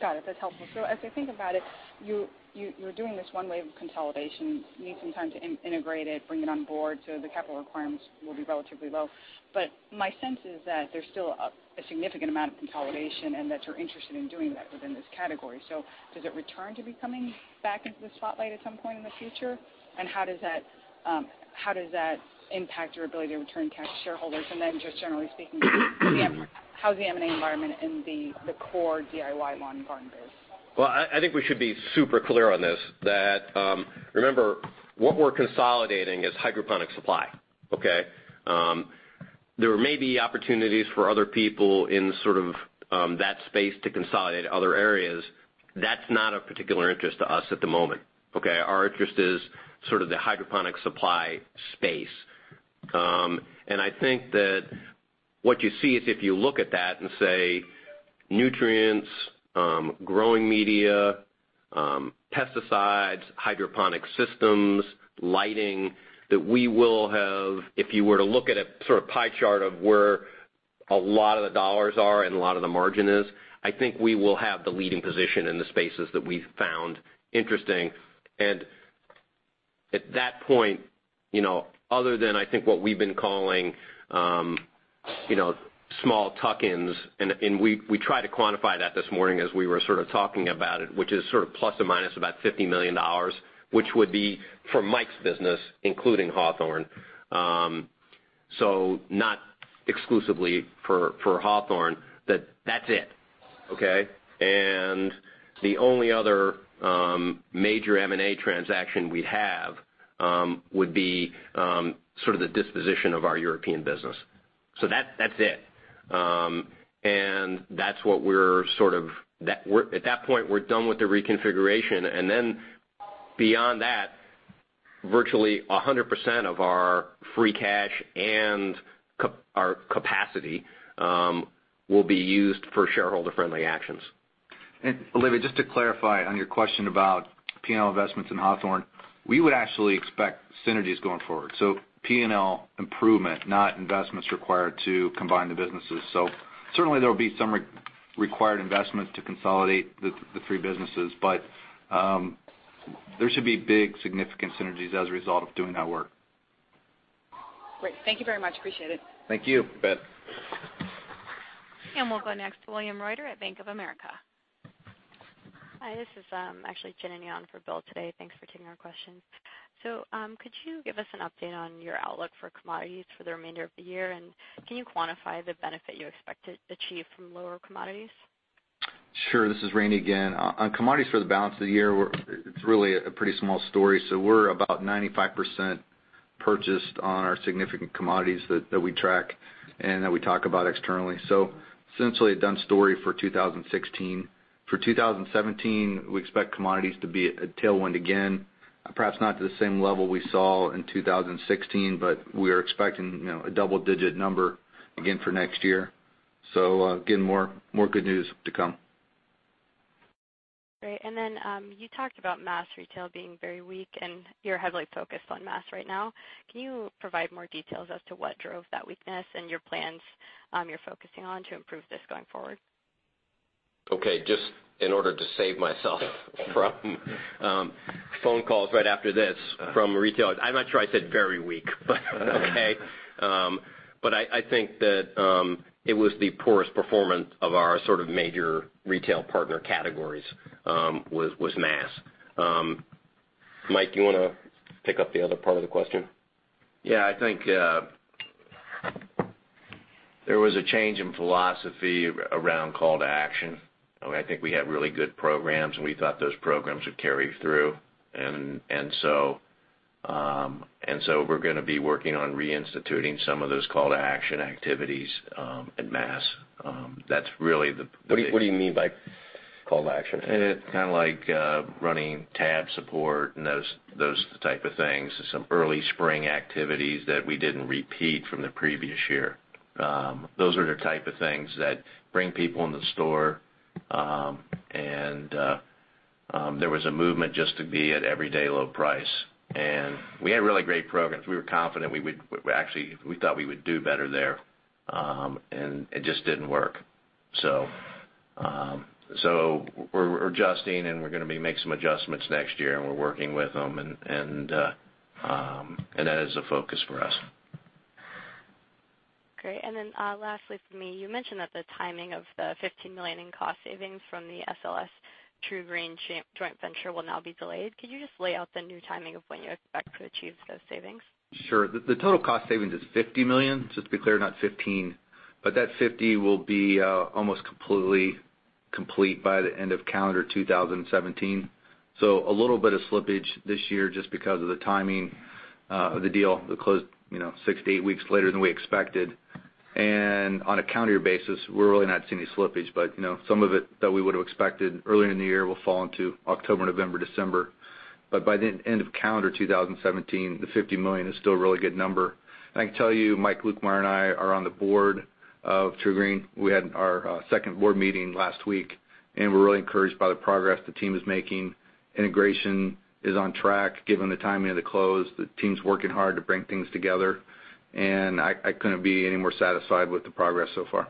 Got it. That's helpful. As I think about it, you're doing this one wave of consolidation. You need some time to integrate it, bring it on board, so the capital requirements will be relatively low. My sense is that there's still a significant amount of consolidation, and that you're interested in doing that within this category. Does it return to be coming back into the spotlight at some point in the future? How does that impact your ability to return cash to shareholders? Then just generally speaking, how's the M&A environment in the core DIY lawn and garden biz? Well, I think we should be super clear on this, that remember, what we're consolidating is hydroponic supply. Okay? There may be opportunities for other people in sort of that space to consolidate other areas. That's not of particular interest to us at the moment. Okay? Our interest is sort of the hydroponic supply space. I think that what you see is if you look at that and say nutrients, growing media, pesticides, hydroponic systems, lighting, that we will have, if you were to look at a sort of pie chart of where a lot of the dollars are and a lot of the margin is, I think we will have the leading position in the spaces that we've found interesting. At that point, other than I think what we've been calling small tuck-ins, and we tried to quantify that this morning as we were sort of talking about it, which is sort of ±$50 million, which would be for Mike's business, including Hawthorne. Not exclusively for Hawthorne, that that's it. Okay. The only other major M&A transaction we have would be the disposition of our European business. That's it. At that point, we're done with the reconfiguration. Then beyond that, virtually 100% of our free cash and our capacity will be used for shareholder-friendly actions. Olivia, just to clarify on your question about P&L investments in Hawthorne, we would actually expect synergies going forward. P&L improvement, not investments required to combine the businesses. Certainly, there will be some required investments to consolidate the three businesses. There should be big, significant synergies as a result of doing that work. Great. Thank you very much. Appreciate it. Thank you. You bet. We'll go next to William Reuter at Bank of America. Hi, this is actually Jenny Yan for Bill today. Thanks for taking our questions. Could you give us an update on your outlook for commodities for the remainder of the year? Can you quantify the benefit you expect to achieve from lower commodities? Sure. This is Randy again. On commodities for the balance of the year, it's really a pretty small story. We're about 95% purchased on our significant commodities that we track and that we talk about externally. Essentially, a done story for 2016. For 2017, we expect commodities to be a tailwind again. Perhaps not to the same level we saw in 2016, but we are expecting a double-digit number again for next year. Again, more good news to come. Great. You talked about mass retail being very weak, you're heavily focused on mass right now. Can you provide more details as to what drove that weakness and your plans you're focusing on to improve this going forward? Okay. Just in order to save myself from phone calls right after this from retailers, I'm not sure I said very weak, but okay. I think that it was the poorest performance of our sort of major retail partner categories, was mass. Mike, do you want to pick up the other part of the question? Yeah, I think there was a change in philosophy around call to action. I think we had really good programs, and we thought those programs would carry through. We're gonna be working on reinstituting some of those call to action activities in mass. What do you mean by call to action? Kind of like running tab support and those type of things. Some early spring activities that we didn't repeat from the previous year. Those are the type of things that bring people in the store. There was a movement just to be at everyday low price. We had really great programs. We were confident. We thought we would do better there. It just didn't work. We're adjusting, and we're gonna be making some adjustments next year, and we're working with them. That is a focus for us. Great. Lastly from me, you mentioned that the timing of the $15 million in cost savings from the SLS TruGreen joint venture will now be delayed. Could you just lay out the new timing of when you expect to achieve those savings? Sure. The total cost savings is $50 million, just to be clear, not 15. That $50 will be almost completely complete by the end of calendar 2017. A little bit of slippage this year just because of the timing of the deal. It closed six to eight weeks later than we expected. On a calendar year basis, we're really not seeing any slippage. Some of it that we would've expected earlier in the year will fall into October, November, December. By the end of calendar 2017, the $50 million is still a really good number. I can tell you, Mike Lukemire and I are on the board of TruGreen. We had our second board meeting last week, and we're really encouraged by the progress the team is making. Integration is on track, given the timing of the close. The team's working hard to bring things together, and I couldn't be any more satisfied with the progress so far.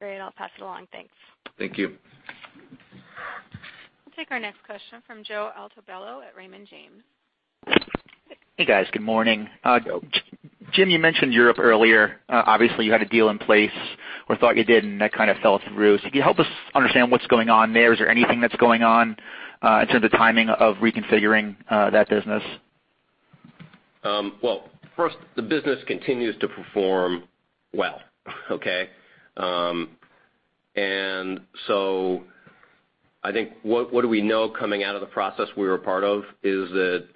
Great. I'll pass it along. Thanks. Thank you. I'll take our next question from Joe Altobello at Raymond James. Hey, guys. Good morning. Jim, you mentioned Europe earlier. Obviously, you had a deal in place or thought you did, and that kind of fell through. Can you help us understand what's going on there? Is there anything that's going on in terms of timing of reconfiguring that business? Well, first, the business continues to perform well. Okay? I think what do we know coming out of the process we were a part of is that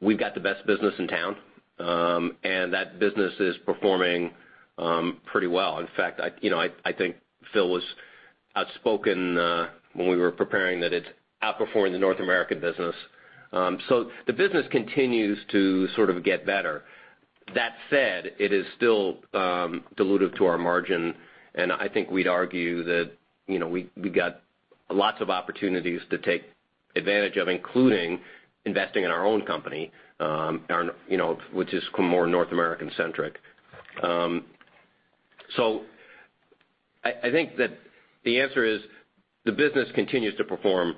we've got the best business in town. That business is performing pretty well. In fact, I think Phil was outspoken when we were preparing that it's outperforming the North American business. The business continues to sort of get better. That said, it is still dilutive to our margin, and I think we'd argue that we got lots of opportunities to take advantage of, including investing in our own company which is more North American-centric. I think that the answer is, the business continues to perform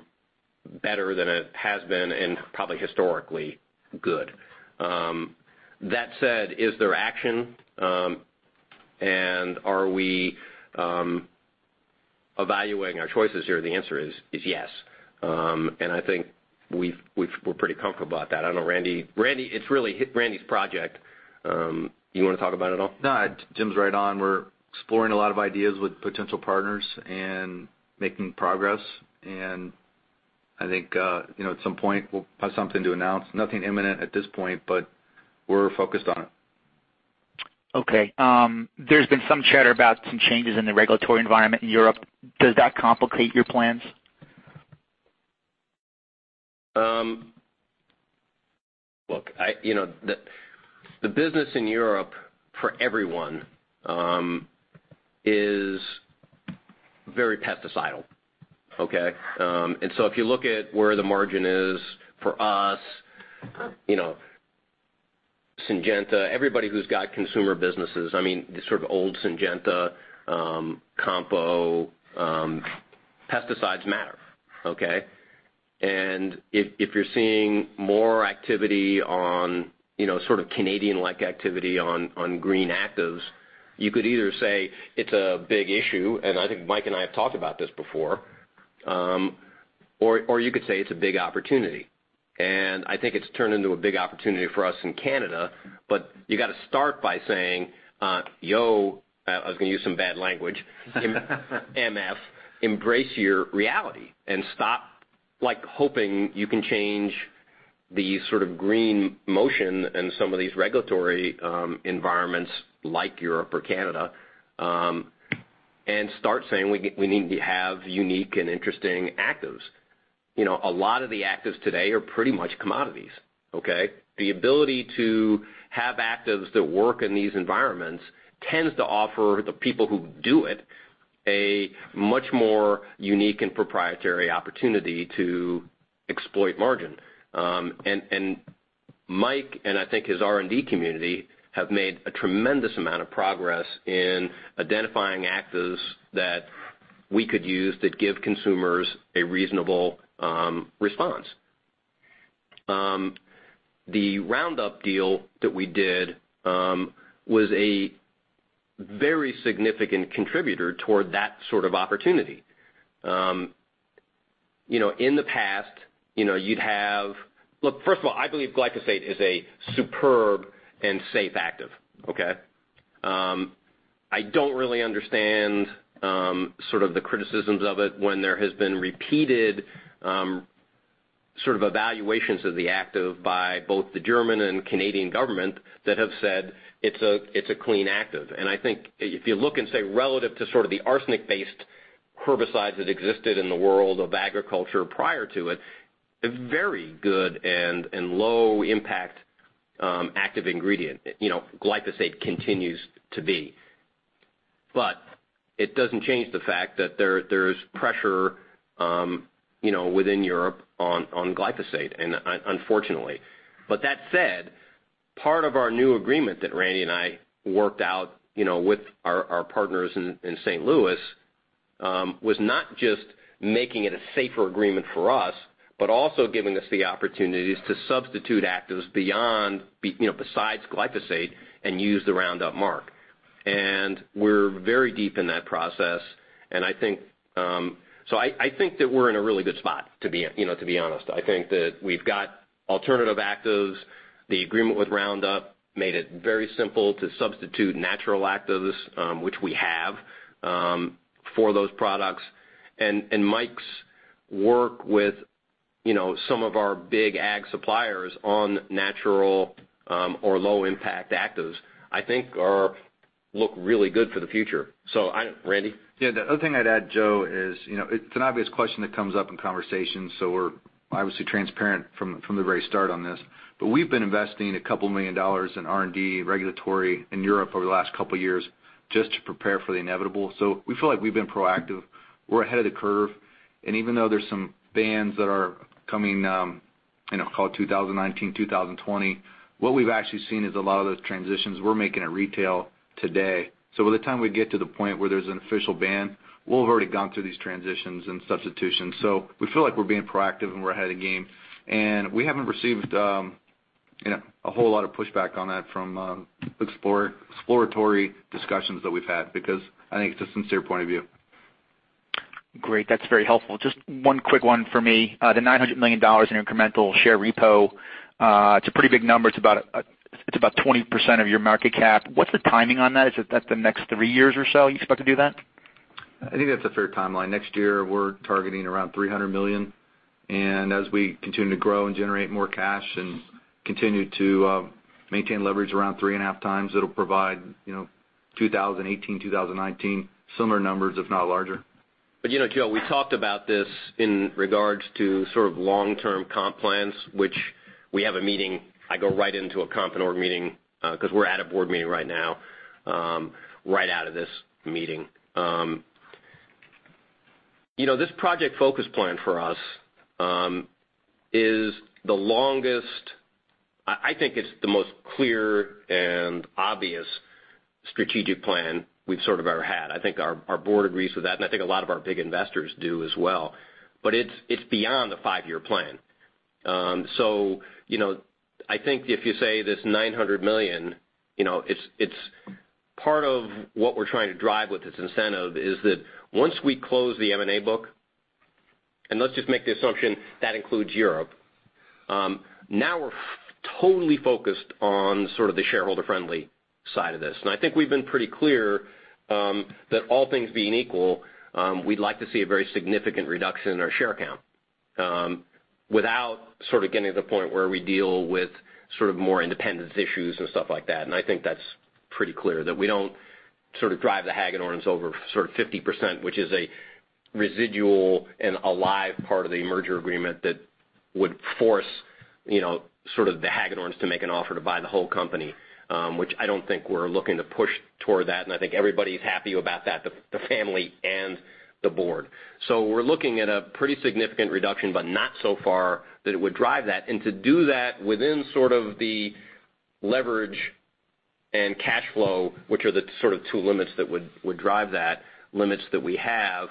better than it has been and probably historically good. That said, is there action? Are we evaluating our choices here, the answer is yes. I think we're pretty comfortable about that. I know Randy. It's really Randy's project. You want to talk about it at all? No, Jim's right on. We're exploring a lot of ideas with potential partners and making progress. I think, at some point, we'll have something to announce. Nothing imminent at this point, we're focused on it. Okay. There's been some chatter about some changes in the regulatory environment in Europe. Does that complicate your plans? Look, the business in Europe for everyone is very pesticidal. Okay? If you look at where the margin is for us, Syngenta, everybody who's got consumer businesses, the sort of old Syngenta, COMPO. Pesticides matter, okay? If you're seeing more activity on, sort of Canadian-like activity on green actives, you could either say it's a big issue, I think Mike and I have talked about this before, or you could say it's a big opportunity. I think it's turned into a big opportunity for us in Canada. You got to start by saying, yo, I was going to use some bad language MF, embrace your reality and stop hoping you can change the sort of green motion in some of these regulatory environments like Europe or Canada, start saying we need to have unique and interesting actives. A lot of the actives today are pretty much commodities, okay? The ability to have actives that work in these environments tends to offer the people who do it a much more unique and proprietary opportunity to exploit margin. Mike, and I think his R&D community, have made a tremendous amount of progress in identifying actives that we could use that give consumers a reasonable response. The Roundup deal that we did was a very significant contributor toward that sort of opportunity. In the past, you'd have. Look, first of all, I believe glyphosate is a superb and safe active, okay? I don't really understand the criticisms of it when there has been repeated evaluations of the active by both the German and Canadian government that have said it's a clean active. I think if you look and say relative to sort of the arsenic-based herbicides that existed in the world of agriculture prior to it, a very good and low impact active ingredient, glyphosate continues to be. It doesn't change the fact that there's pressure within Europe on glyphosate, unfortunately. That said, part of our new agreement that Randy and I worked out with our partners in St. Louis, was not just making it a safer agreement for us, but also giving us the opportunities to substitute actives besides glyphosate and use the Roundup mark. We're very deep in that process. I think that we're in a really good spot, to be honest. I think that we've got alternative actives. The agreement with Roundup made it very simple to substitute natural actives, which we have, for those products. Mike's work with some of our big ag suppliers on natural or low impact actives, I think look really good for the future. Randy? The other thing I'd add, Joe, is it's an obvious question that comes up in conversations, we're obviously transparent from the very start on this. We've been investing a couple million dollars in R&D regulatory in Europe over the last couple of years just to prepare for the inevitable. We feel like we've been proactive. We're ahead of the curve. Even though there's some bans that are coming, call it 2019, 2020, what we've actually seen is a lot of those transitions we're making at retail today. By the time we get to the point where there's an official ban, we'll have already gone through these transitions and substitutions. We feel like we're being proactive and we're ahead of the game. We haven't received a whole lot of pushback on that from exploratory discussions that we've had, because I think it's a sincere point of view. Great. That's very helpful. Just one quick one for me. The $900 million in incremental share repo, it's a pretty big number. It's about 20% of your market cap. What's the timing on that? Is that the next three years or so you expect to do that? I think that's a fair timeline. Next year, we're targeting around $300 million, and as we continue to grow and generate more cash and continue to maintain leverage around three and a half times, it'll provide 2018, 2019 similar numbers, if not larger. Joe, we talked about this in regards to sort of long-term comp plans, which we have a meeting. I go right into a comp and board meeting, because we're at a board meeting right now, right out of this meeting. This Project Focus plan for us is the longest, I think it's the most clear and obvious strategic plan we've sort of ever had. I think our board agrees with that, and I think a lot of our big investors do as well. It's beyond a five-year plan. I think if you say this $900 million, it's part of what we're trying to drive with this incentive is that once we close the M&A book, and let's just make the assumption that includes Europe. Now we're totally focused on the shareholder-friendly side of this. I think we've been pretty clear, that all things being equal, we'd like to see a very significant reduction in our share count, without getting to the point where we deal with more independence issues and stuff like that. I think that's pretty clear, that we don't drive the Hagedorns over 50%, which is a residual and alive part of the merger agreement that would force the Hagedorns to make an offer to buy the whole company, which I don't think we're looking to push toward that, and I think everybody's happy about that, the family and the board. We're looking at a pretty significant reduction, but not so far that it would drive that. To do that within the leverage and cash flow, which are the two limits that would drive that, limits that we have.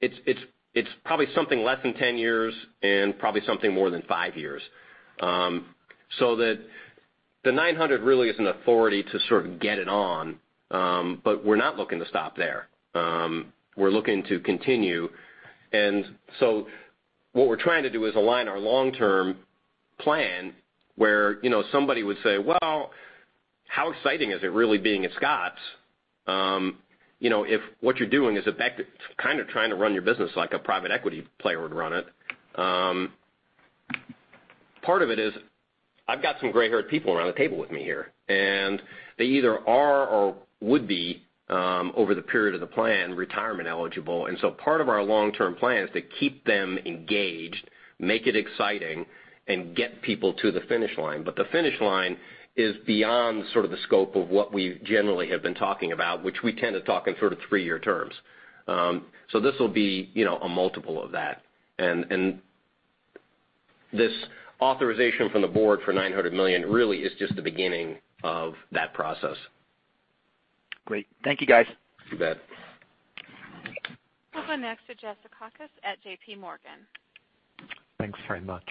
It's probably something less than 10 years and probably something more than five years. The $900 really is an authority to get it on. We're not looking to stop there. We're looking to continue. What we're trying to do is align our long-term plan where somebody would say, "Well, how exciting is it really being at Scotts?" If what you're doing is kind of trying to run your business like a private equity player would run it. Part of it is I've got some gray-haired people around the table with me here, and they either are or would be, over the period of the plan, retirement eligible. Part of our long-term plan is to keep them engaged, make it exciting, and get people to the finish line. The finish line is beyond the scope of what we generally have been talking about, which we tend to talk in three-year terms. This will be a multiple of that. This authorization from the board for $900 million really is just the beginning of that process. Great. Thank you, guys. You bet. We'll go next to Jeff Zekauskas at JPMorgan. Thanks very much.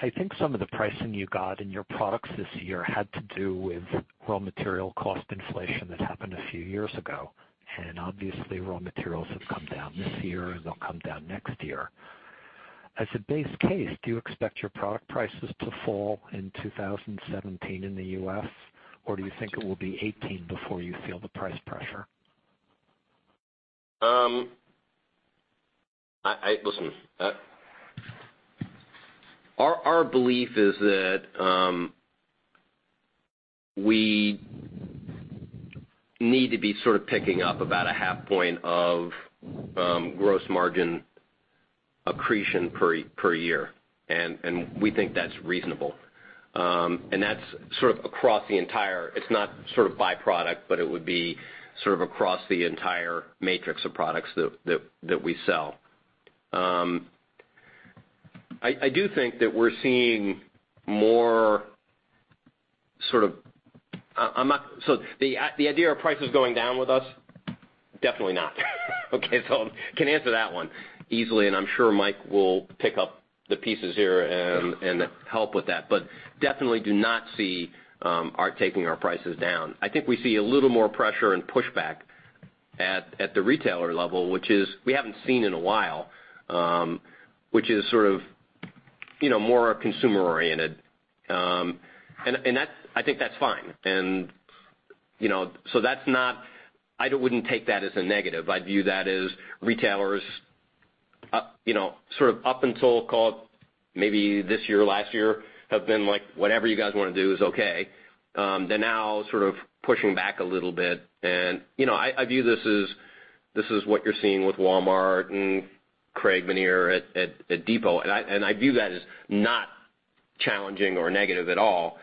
I think some of the pricing you got in your products this year had to do with raw material cost inflation that happened a few years ago. Obviously, raw materials have come down this year, and they'll come down next year. As a base case, do you expect your product prices to fall in 2017 in the U.S., or do you think it will be 2018 before you feel the price pressure? Listen. Our belief is that we need to be picking up about a half point of gross margin accretion per year, and we think that's reasonable. That's across. It's not by product, but it would be across the entire matrix of products that we sell. I do think that we're seeing more. The idea of prices going down with us, definitely not. Okay, I can answer that one easily, and I'm sure Mike will pick up the pieces here and help with that, definitely do not see our taking our prices down. I think we see a little more pressure and pushback at the retailer level, which is we haven't seen in a while, which is more consumer oriented. I think that's fine. I wouldn't take that as a negative. I view that as retailers, up until, call it maybe this year, last year, have been like, "Whatever you guys want to do is okay." They're now pushing back a little bit. I view this as what you're seeing with Walmart and Craig Menear at Home Depot. I view that as not challenging or negative at all,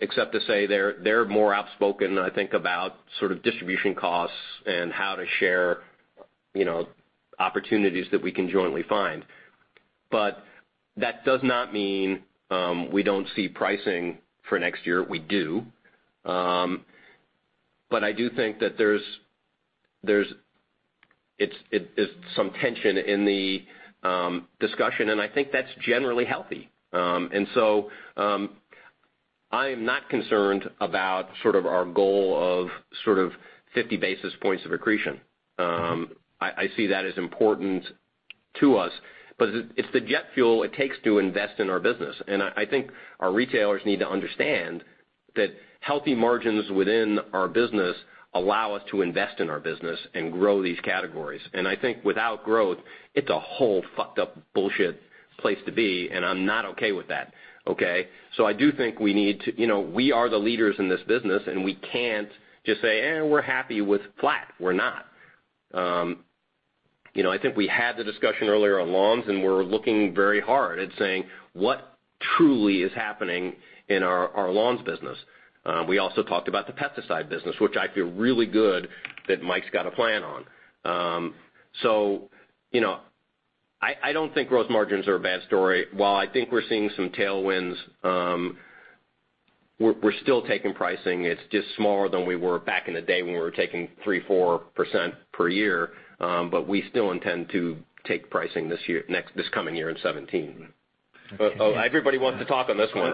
except to say they're more outspoken, I think, about distribution costs and how to share opportunities that we can jointly find. That does not mean we don't see pricing for next year. We do. I do think that there's some tension in the discussion, and I think that's generally healthy. I am not concerned about our goal of 50 basis points of accretion. I see that as important to us, but it's the jet fuel it takes to invest in our business. I think our retailers need to understand that healthy margins within our business allow us to invest in our business and grow these categories. I think without growth, it's a whole fucked up bullshit place to be, and I'm not okay with that. Okay? I do think we are the leaders in this business, and we can't just say, "Eh, we're happy with flat." We're not. I think we had the discussion earlier on lawns, and we're looking very hard at saying what truly is happening in our lawns business. We also talked about the pesticide business, which I feel really good that Mike's got a plan on. I don't think gross margins are a bad story. While I think we're seeing some tailwinds- We're still taking pricing. It's just smaller than we were back in the day when we were taking 3%-4% per year. We still intend to take pricing this coming year in 2017. Everybody wants to talk on this one.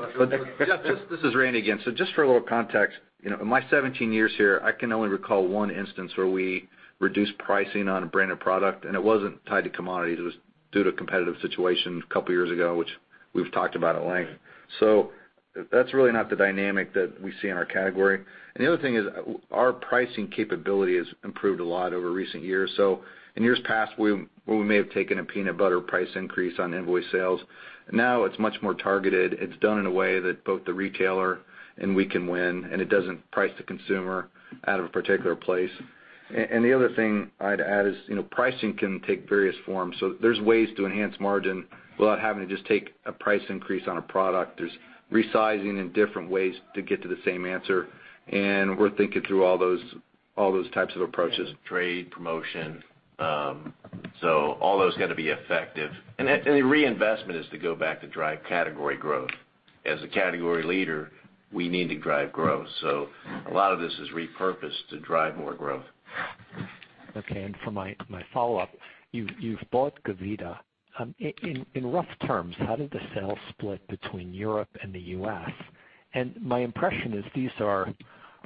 Jeff, this is Randy again. Just for a little context, in my 17 years here, I can only recall one instance where we reduced pricing on a branded product, and it wasn't tied to commodities. It was due to a competitive situation a couple of years ago, which we've talked about at length. That's really not the dynamic that we see in our category. The other thing is our pricing capability has improved a lot over recent years. In years past, where we may have taken a peanut butter price increase on invoice sales, now it's much more targeted. It's done in a way that both the retailer and we can win, and it doesn't price the consumer out of a particular place. The other thing I'd add is, pricing can take various forms. There's ways to enhance margin without having to just take a price increase on a product. There's resizing and different ways to get to the same answer, and we're thinking through all those types of approaches. Trade, promotion. All those got to be effective. The reinvestment is to go back to drive category growth. As a category leader, we need to drive growth. A lot of this is repurposed to drive more growth. Okay, for my follow-up, you've bought Gavita. In rough terms, how did the sale split between Europe and the U.S.? My impression is these are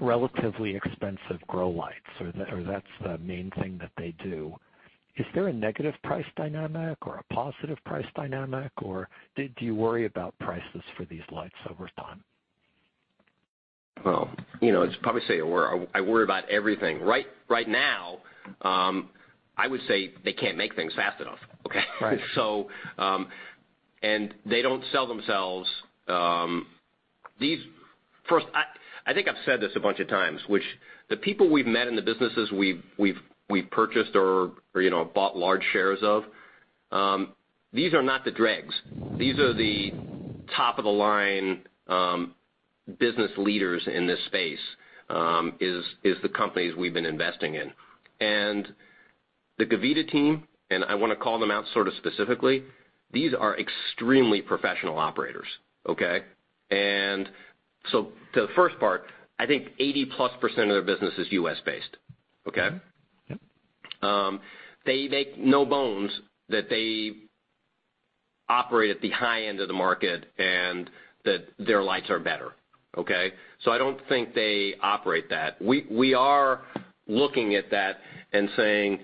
relatively expensive grow lights, or that's the main thing that they do. Is there a negative price dynamic or a positive price dynamic, or do you worry about prices for these lights over time? Well, I'd probably say I worry about everything. Right now, I would say they can't make things fast enough, okay? Right. They don't sell themselves. First, I think I've said this a bunch of times, which the people we've met in the businesses we've purchased or bought large shares of, these are not the dregs. These are the top-of-the-line business leaders in this space, is the companies we've been investing in. The Gavita team, I want to call them out sort of specifically, these are extremely professional operators, okay? The first part, I think 80-plus% of their business is U.S.-based, okay? Yep. They make no bones that they operate at the high end of the market and that their lights are better, okay? I don't think they operate that. We are looking at that and saying,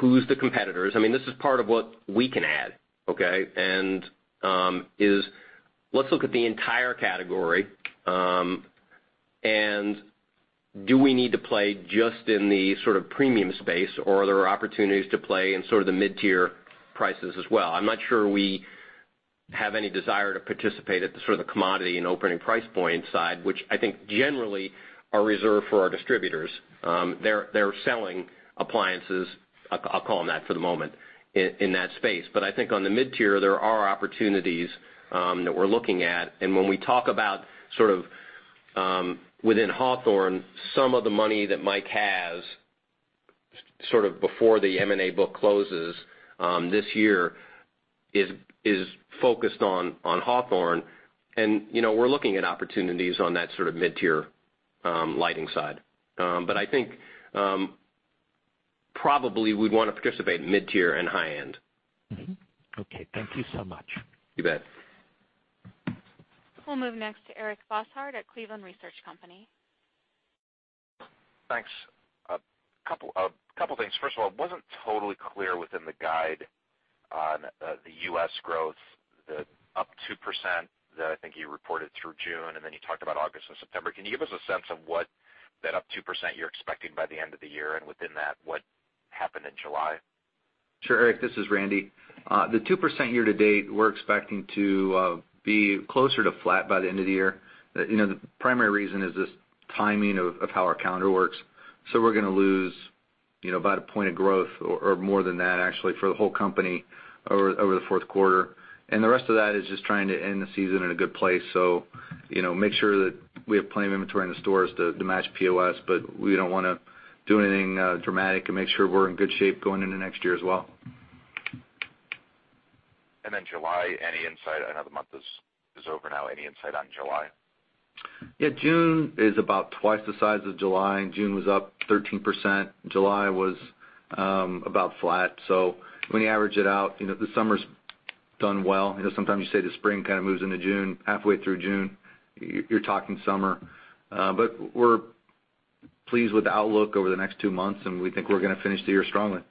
"Who's the competitors?" This is part of what we can add, okay, let's look at the entire category, and do we need to play just in the sort of premium space, or are there opportunities to play in sort of the mid-tier prices as well? I'm not sure we have any desire to participate at the sort of the commodity and opening price point side, which I think generally are reserved for our distributors. They're selling appliances, I'll call them that for the moment, in that space. I think on the mid-tier, there are opportunities that we're looking at. When we talk about sort of within Hawthorne, some of the money that Mike has, sort of before the M&A book closes this year, is focused on Hawthorne, and we're looking at opportunities on that sort of mid-tier lighting side. I think probably we'd want to participate mid-tier and high-end. Okay. Thank you so much. You bet. We'll move next to Eric Bosshard at Cleveland Research Company. Thanks. A couple of things. First of all, it wasn't totally clear within the guide on the U.S. growth, the up 2% that I think you reported through June, and then you talked about August and September. Can you give us a sense of what that up 2% you're expecting by the end of the year, and within that, what happened in July? Sure, Eric, this is Randy. The 2% year to date, we're expecting to be closer to flat by the end of the year. The primary reason is just timing of how our calendar works. We're going to lose about one point of growth or more than that, actually, for the whole company over the fourth quarter. The rest of that is just trying to end the season in a good place. Make sure that we have plenty of inventory in the stores to match POS, but we don't want to do anything dramatic and make sure we're in good shape going into next year as well. July, any insight? I know the month is over now. Any insight on July? Yeah. June is about twice the size of July, and June was up 13%. July was about flat. When you average it out, the summer's done well. Sometimes you say the spring kind of moves into June, halfway through June, you're talking summer. We're pleased with the outlook over the next two months, and we think we're going to finish the year strongly.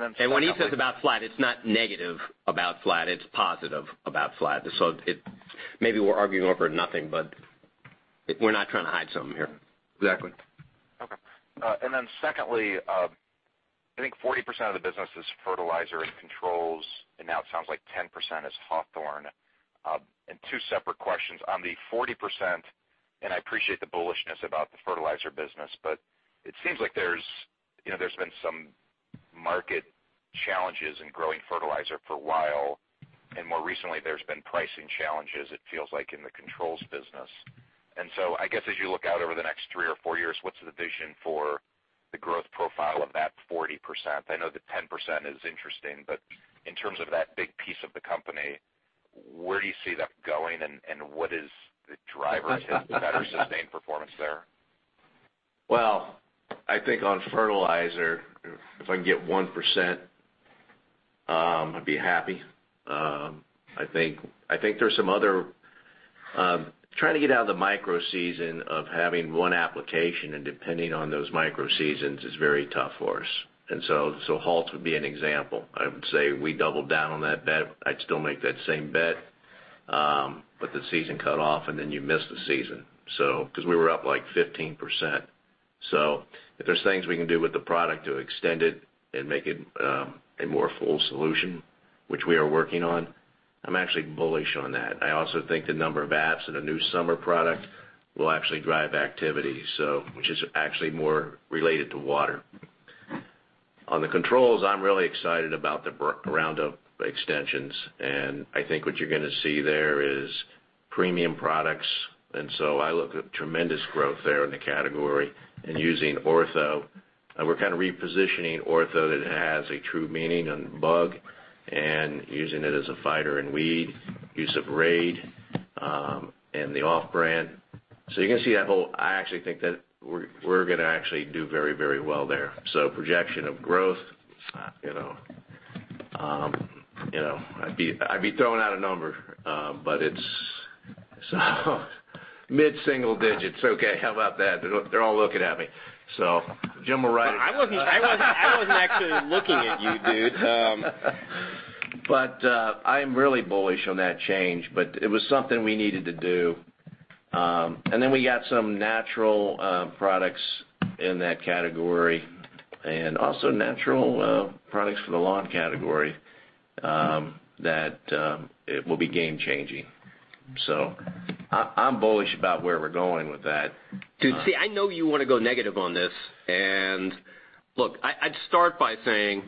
And then- When he says about flat, it's not negative about flat, it's positive about flat. Maybe we're arguing over nothing, but we're not trying to hide something here. Exactly. Okay. Secondly, I think 40% of the business is fertilizer and controls, now it sounds like 10% is Hawthorne. Two separate questions. On the 40%, I appreciate the bullishness about the fertilizer business, it seems like there's been some market challenges in growing fertilizer for a while, more recently, there's been pricing challenges, it feels like, in the controls business. I guess as you look out over the next three or four years, what's the vision for The growth profile of that 40%. I know the 10% is interesting, in terms of that big piece of the company, where do you see that going and what is the drivers to the better sustained performance there? Well, I think on fertilizer, if I can get 1%, I'd be happy. Trying to get out of the micro-season of having one application and depending on those micro-seasons is very tough for us. Halts would be an example. I would say we doubled down on that bet. I'd still make that same bet. The season cut off and then you miss the season. We were up 15%. If there's things we can do with the product to extend it and make it a more full solution, which we are working on, I'm actually bullish on that. I also think the number of apps and a new summer product will actually drive activity. Which is actually more related to water. On the controls, I'm really excited about the Roundup extensions, I think what you're going to see there is premium products. I look at tremendous growth there in the category and using Ortho. We're kind of repositioning Ortho that it has a true meaning on bug and using it as a fighter in weed, use of Raid, and the OFF! brand. I actually think that we're going to actually do very well there. Projection of growth, I'd be throwing out a number, but it's mid-single digits. Okay, how about that? They're all looking at me. Jim will write it. I wasn't actually looking at you, dude. I'm really bullish on that change, but it was something we needed to do. We got some natural products in that category and also natural products for the lawn category that it will be game-changing. I'm bullish about where we're going with that. Dude, see, I know you want to go negative on this, and look, I'd start by saying,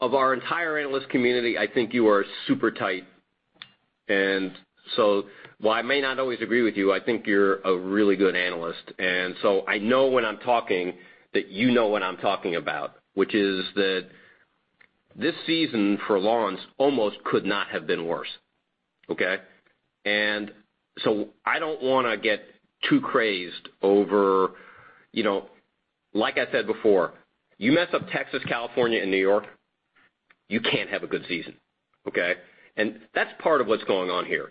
of our entire analyst community, I think you are super tight. While I may not always agree with you, I think you're a really good analyst. I know when I'm talking that you know what I'm talking about, which is that this season for lawns almost could not have been worse. Okay? I don't want to get too crazed over Like I said before, you mess up Texas, California, and New York, you can't have a good season. Okay? That's part of what's going on here.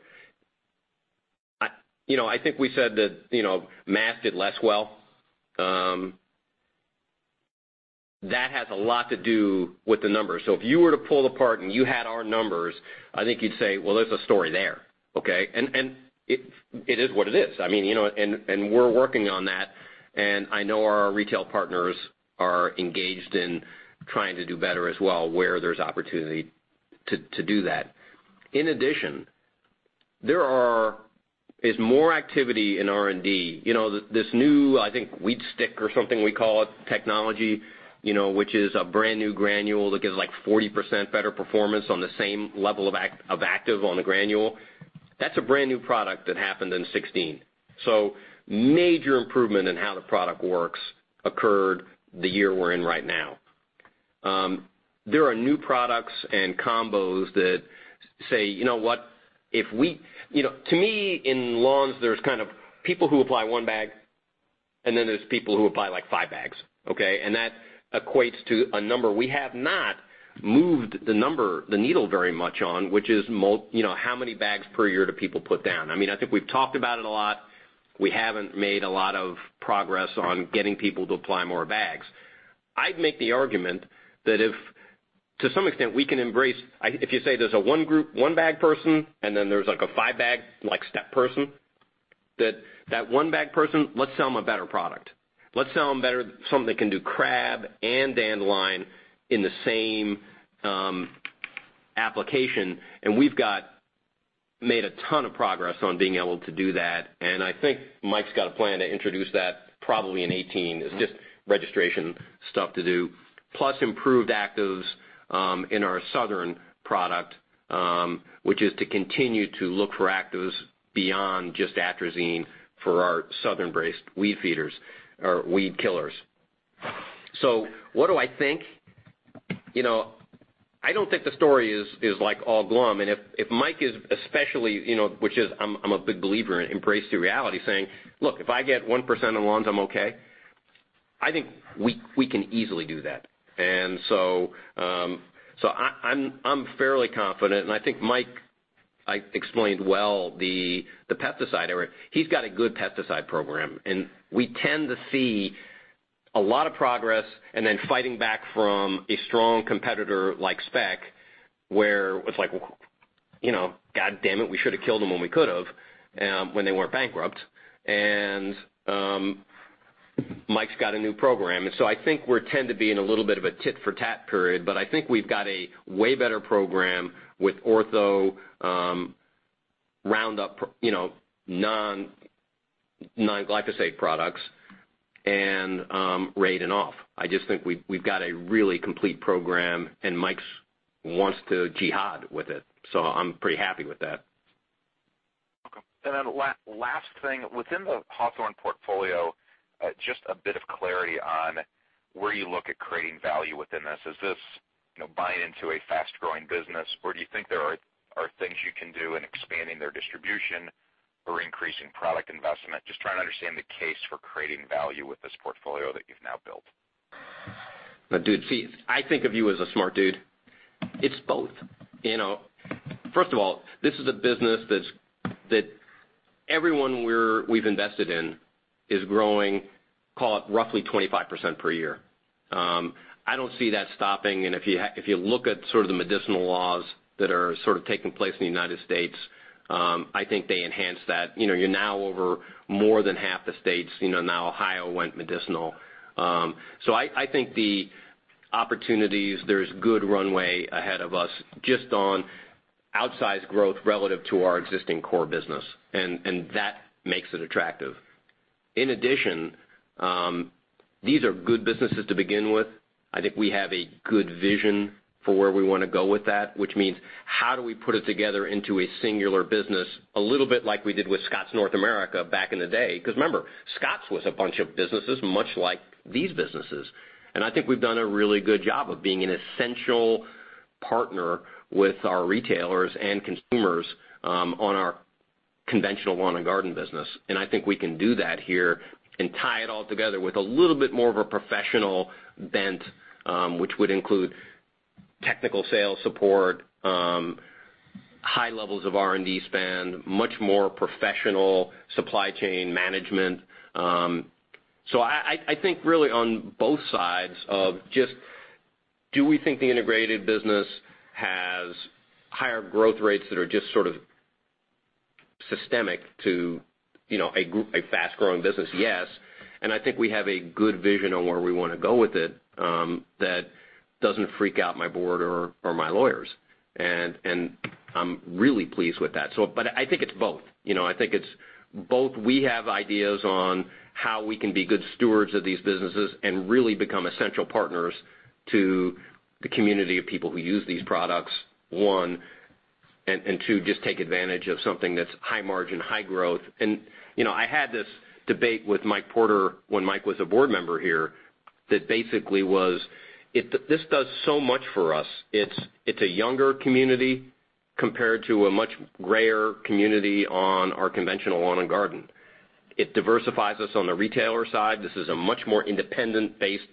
I think we said that Mass did less well. That has a lot to do with the numbers. If you were to pull apart and you had our numbers, I think you'd say, "Well, there's a story there." Okay? It is what it is. We're working on that, and I know our retail partners are engaged in trying to do better as well, where there's opportunity to do that. In addition, there's more activity in R&D. This new, I think, WeedStick or something we call it, technology, which is a brand-new granule that gives 40% better performance on the same level of active on the granule. That's a brand-new product that happened in 2016. Major improvement in how the product works occurred the year we're in right now. There are new products and combos that say, you know what? To me, in lawns, there's kind of people who apply one bag, and then there's people who apply five bags, okay? That equates to a number we have not moved the needle very much on, which is how many bags per year do people put down. I think we've talked about it a lot. We haven't made a lot of progress on getting people to apply more bags. I'd make the argument that if, to some extent, we can embrace If you say there's a one-bag person, and then there's a five-bag person, that one-bag person, let's sell them a better product. Let's sell them something that can do crab and dandelion in the same application. We've made a ton of progress on being able to do that. I think Mike's got a plan to introduce that probably in 2018. It's just registration stuff to do. Plus improved actives in our Southern product, which is to continue to look for actives beyond just atrazine for our Southern-based weed killers. What do I think? I don't think the story is all glum, and if Mike is especially, which is I'm a big believer in embrace your reality, saying, "Look, if I get 1% in lawns, I'm okay," I think we can easily do that. I'm fairly confident, and I think Mike explained well the pesticide area. He's got a good pesticide program, and we tend to see a lot of progress, and then fighting back from a strong competitor like Spec, where it's like, "Goddammit, we should have killed them when we could've, when they weren't bankrupt." Mike's got a new program. I think we tend to be in a little bit of a tit for tat period, but I think we've got a way better program with Ortho Roundup, non-glyphosate products, and Raid and OFF!. I just think we've got a really complete program and Mike wants to jihad with it. I'm pretty happy with that. Okay. Last thing, within the Hawthorne portfolio, just a bit of clarity on where you look at creating value within this. Is this buying into a fast-growing business, or do you think there are things you can do in expanding their distribution or increasing product investment? Just trying to understand the case for creating value with this portfolio that you've now built. Dude, see, I think of you as a smart dude. It's both. First of all, this is a business that everyone we've invested in is growing, call it, roughly 25% per year. I don't see that stopping, and if you look at sort of the medicinal laws that are sort of taking place in the U.S., I think they enhance that. You're now over more than half the states. Now Ohio went medicinal. I think the opportunities, there's good runway ahead of us just on outsized growth relative to our existing core business, and that makes it attractive. In addition, these are good businesses to begin with. I think we have a good vision for where we want to go with that, which means how do we put it together into a singular business, a little bit like we did with Scotts North America back in the day. Because remember, Scotts was a bunch of businesses, much like these businesses. I think we've done a really good job of being an essential partner with our retailers and consumers on our conventional lawn and garden business. I think we can do that here and tie it all together with a little bit more of a professional bent, which would include technical sales support, high levels of R&D spend, much more professional supply chain management. I think really on both sides of just do we think the integrated business has higher growth rates that are just sort of systemic to a fast-growing business? Yes. I think we have a good vision on where we want to go with it that doesn't freak out my board or my lawyers. I'm really pleased with that. I think it's both. I think it's both we have ideas on how we can be good stewards of these businesses and really become essential partners to the community of people who use these products, one. Two, just take advantage of something that's high margin, high growth. I had this debate with Mike Porter when Mike was a board member here that basically was, this does so much for us. It's a younger community compared to a much rarer community on our conventional lawn and garden. It diversifies us on the retailer side. This is a much more independent-based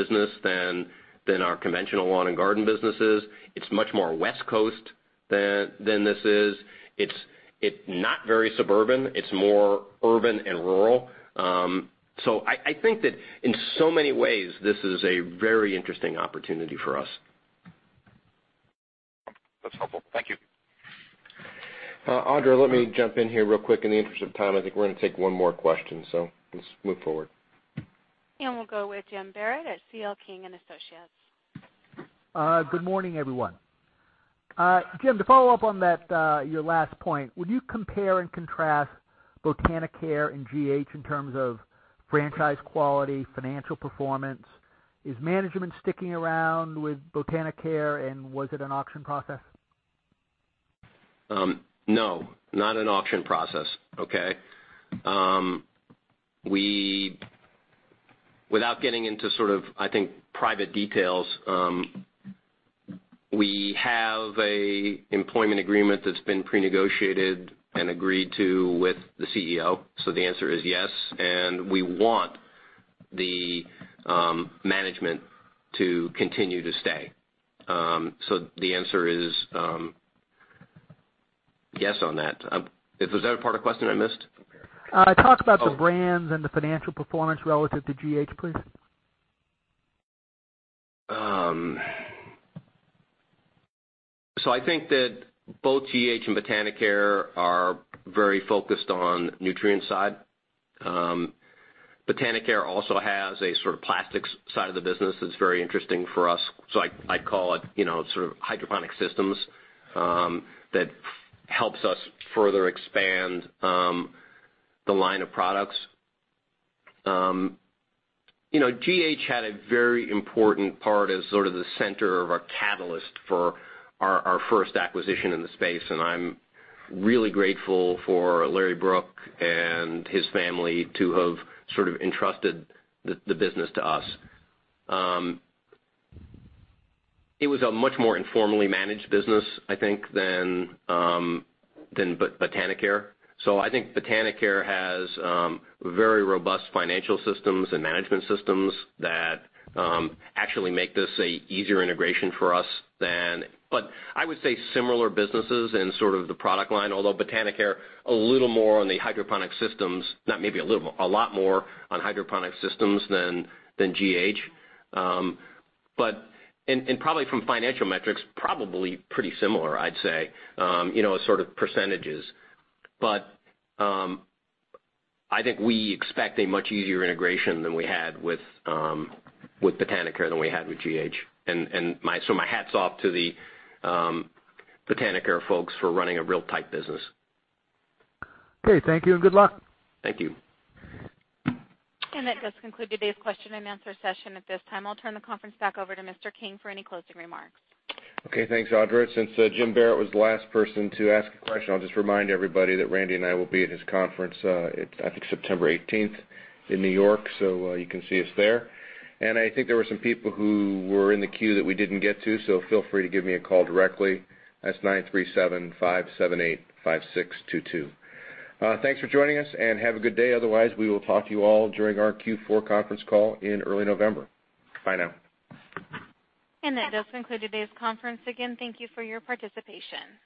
business than our conventional lawn and garden business is. It's much more West Coast than this is. It's not very suburban. It's more urban and rural. I think that in so many ways, this is a very interesting opportunity for us. That's helpful. Thank you. Audra, let me jump in here real quick. In the interest of time, I think we're going to take one more question, let's move forward. We'll go with Jim Barrett at C.L. King & Associates. Good morning, everyone. Jim, to follow up on your last point, would you compare and contrast Botanicare and GH in terms of franchise quality, financial performance? Is management sticking around with Botanicare, and was it an auction process? No, not an auction process, okay? Without getting into sort of, I think, private details, we have an employment agreement that's been pre-negotiated and agreed to with the CEO. The answer is yes, and we want the management to continue to stay. The answer is yes on that. Is there a part of the question I missed? Talk about the brands and the financial performance relative to GH, please. I think that both GH and Botanicare are very focused on the nutrient side. Botanicare also has a sort of plastics side of the business that's very interesting for us. I call it sort of hydroponic systems that helps us further expand the line of products. GH had a very important part as sort of the center of our catalyst for our first acquisition in the space, and I'm really grateful for Larry Brooke and his family to have sort of entrusted the business to us. It was a much more informally managed business, I think, than Botanicare. I think Botanicare has very robust financial systems and management systems that actually make this an easier integration for us than I would say similar businesses in sort of the product line, although Botanicare, a little more on the hydroponic systems. Not maybe a little more, a lot more on hydroponic systems than GH. Probably from financial metrics, probably pretty similar, I'd say, sort of percentages. I think we expect a much easier integration than we had with Botanicare than we had with GH. My hat's off to the Botanicare folks for running a real tight business. Okay, thank you, and good luck. Thank you. That does conclude today's question and answer session. At this time, I'll turn the conference back over to Mr. King for any closing remarks. Okay, thanks, Audra. Since Jim Barrett was the last person to ask a question, I'll just remind everybody that Randy and I will be at his conference, I think September 18th in New York, so you can see us there. I think there were some people who were in the queue that we didn't get to, so feel free to give me a call directly. That's (937) 578-5622. Thanks for joining us, and have a good day. Otherwise, we will talk to you all during our Q4 conference call in early November. Bye now. That does conclude today's conference. Again, thank you for your participation.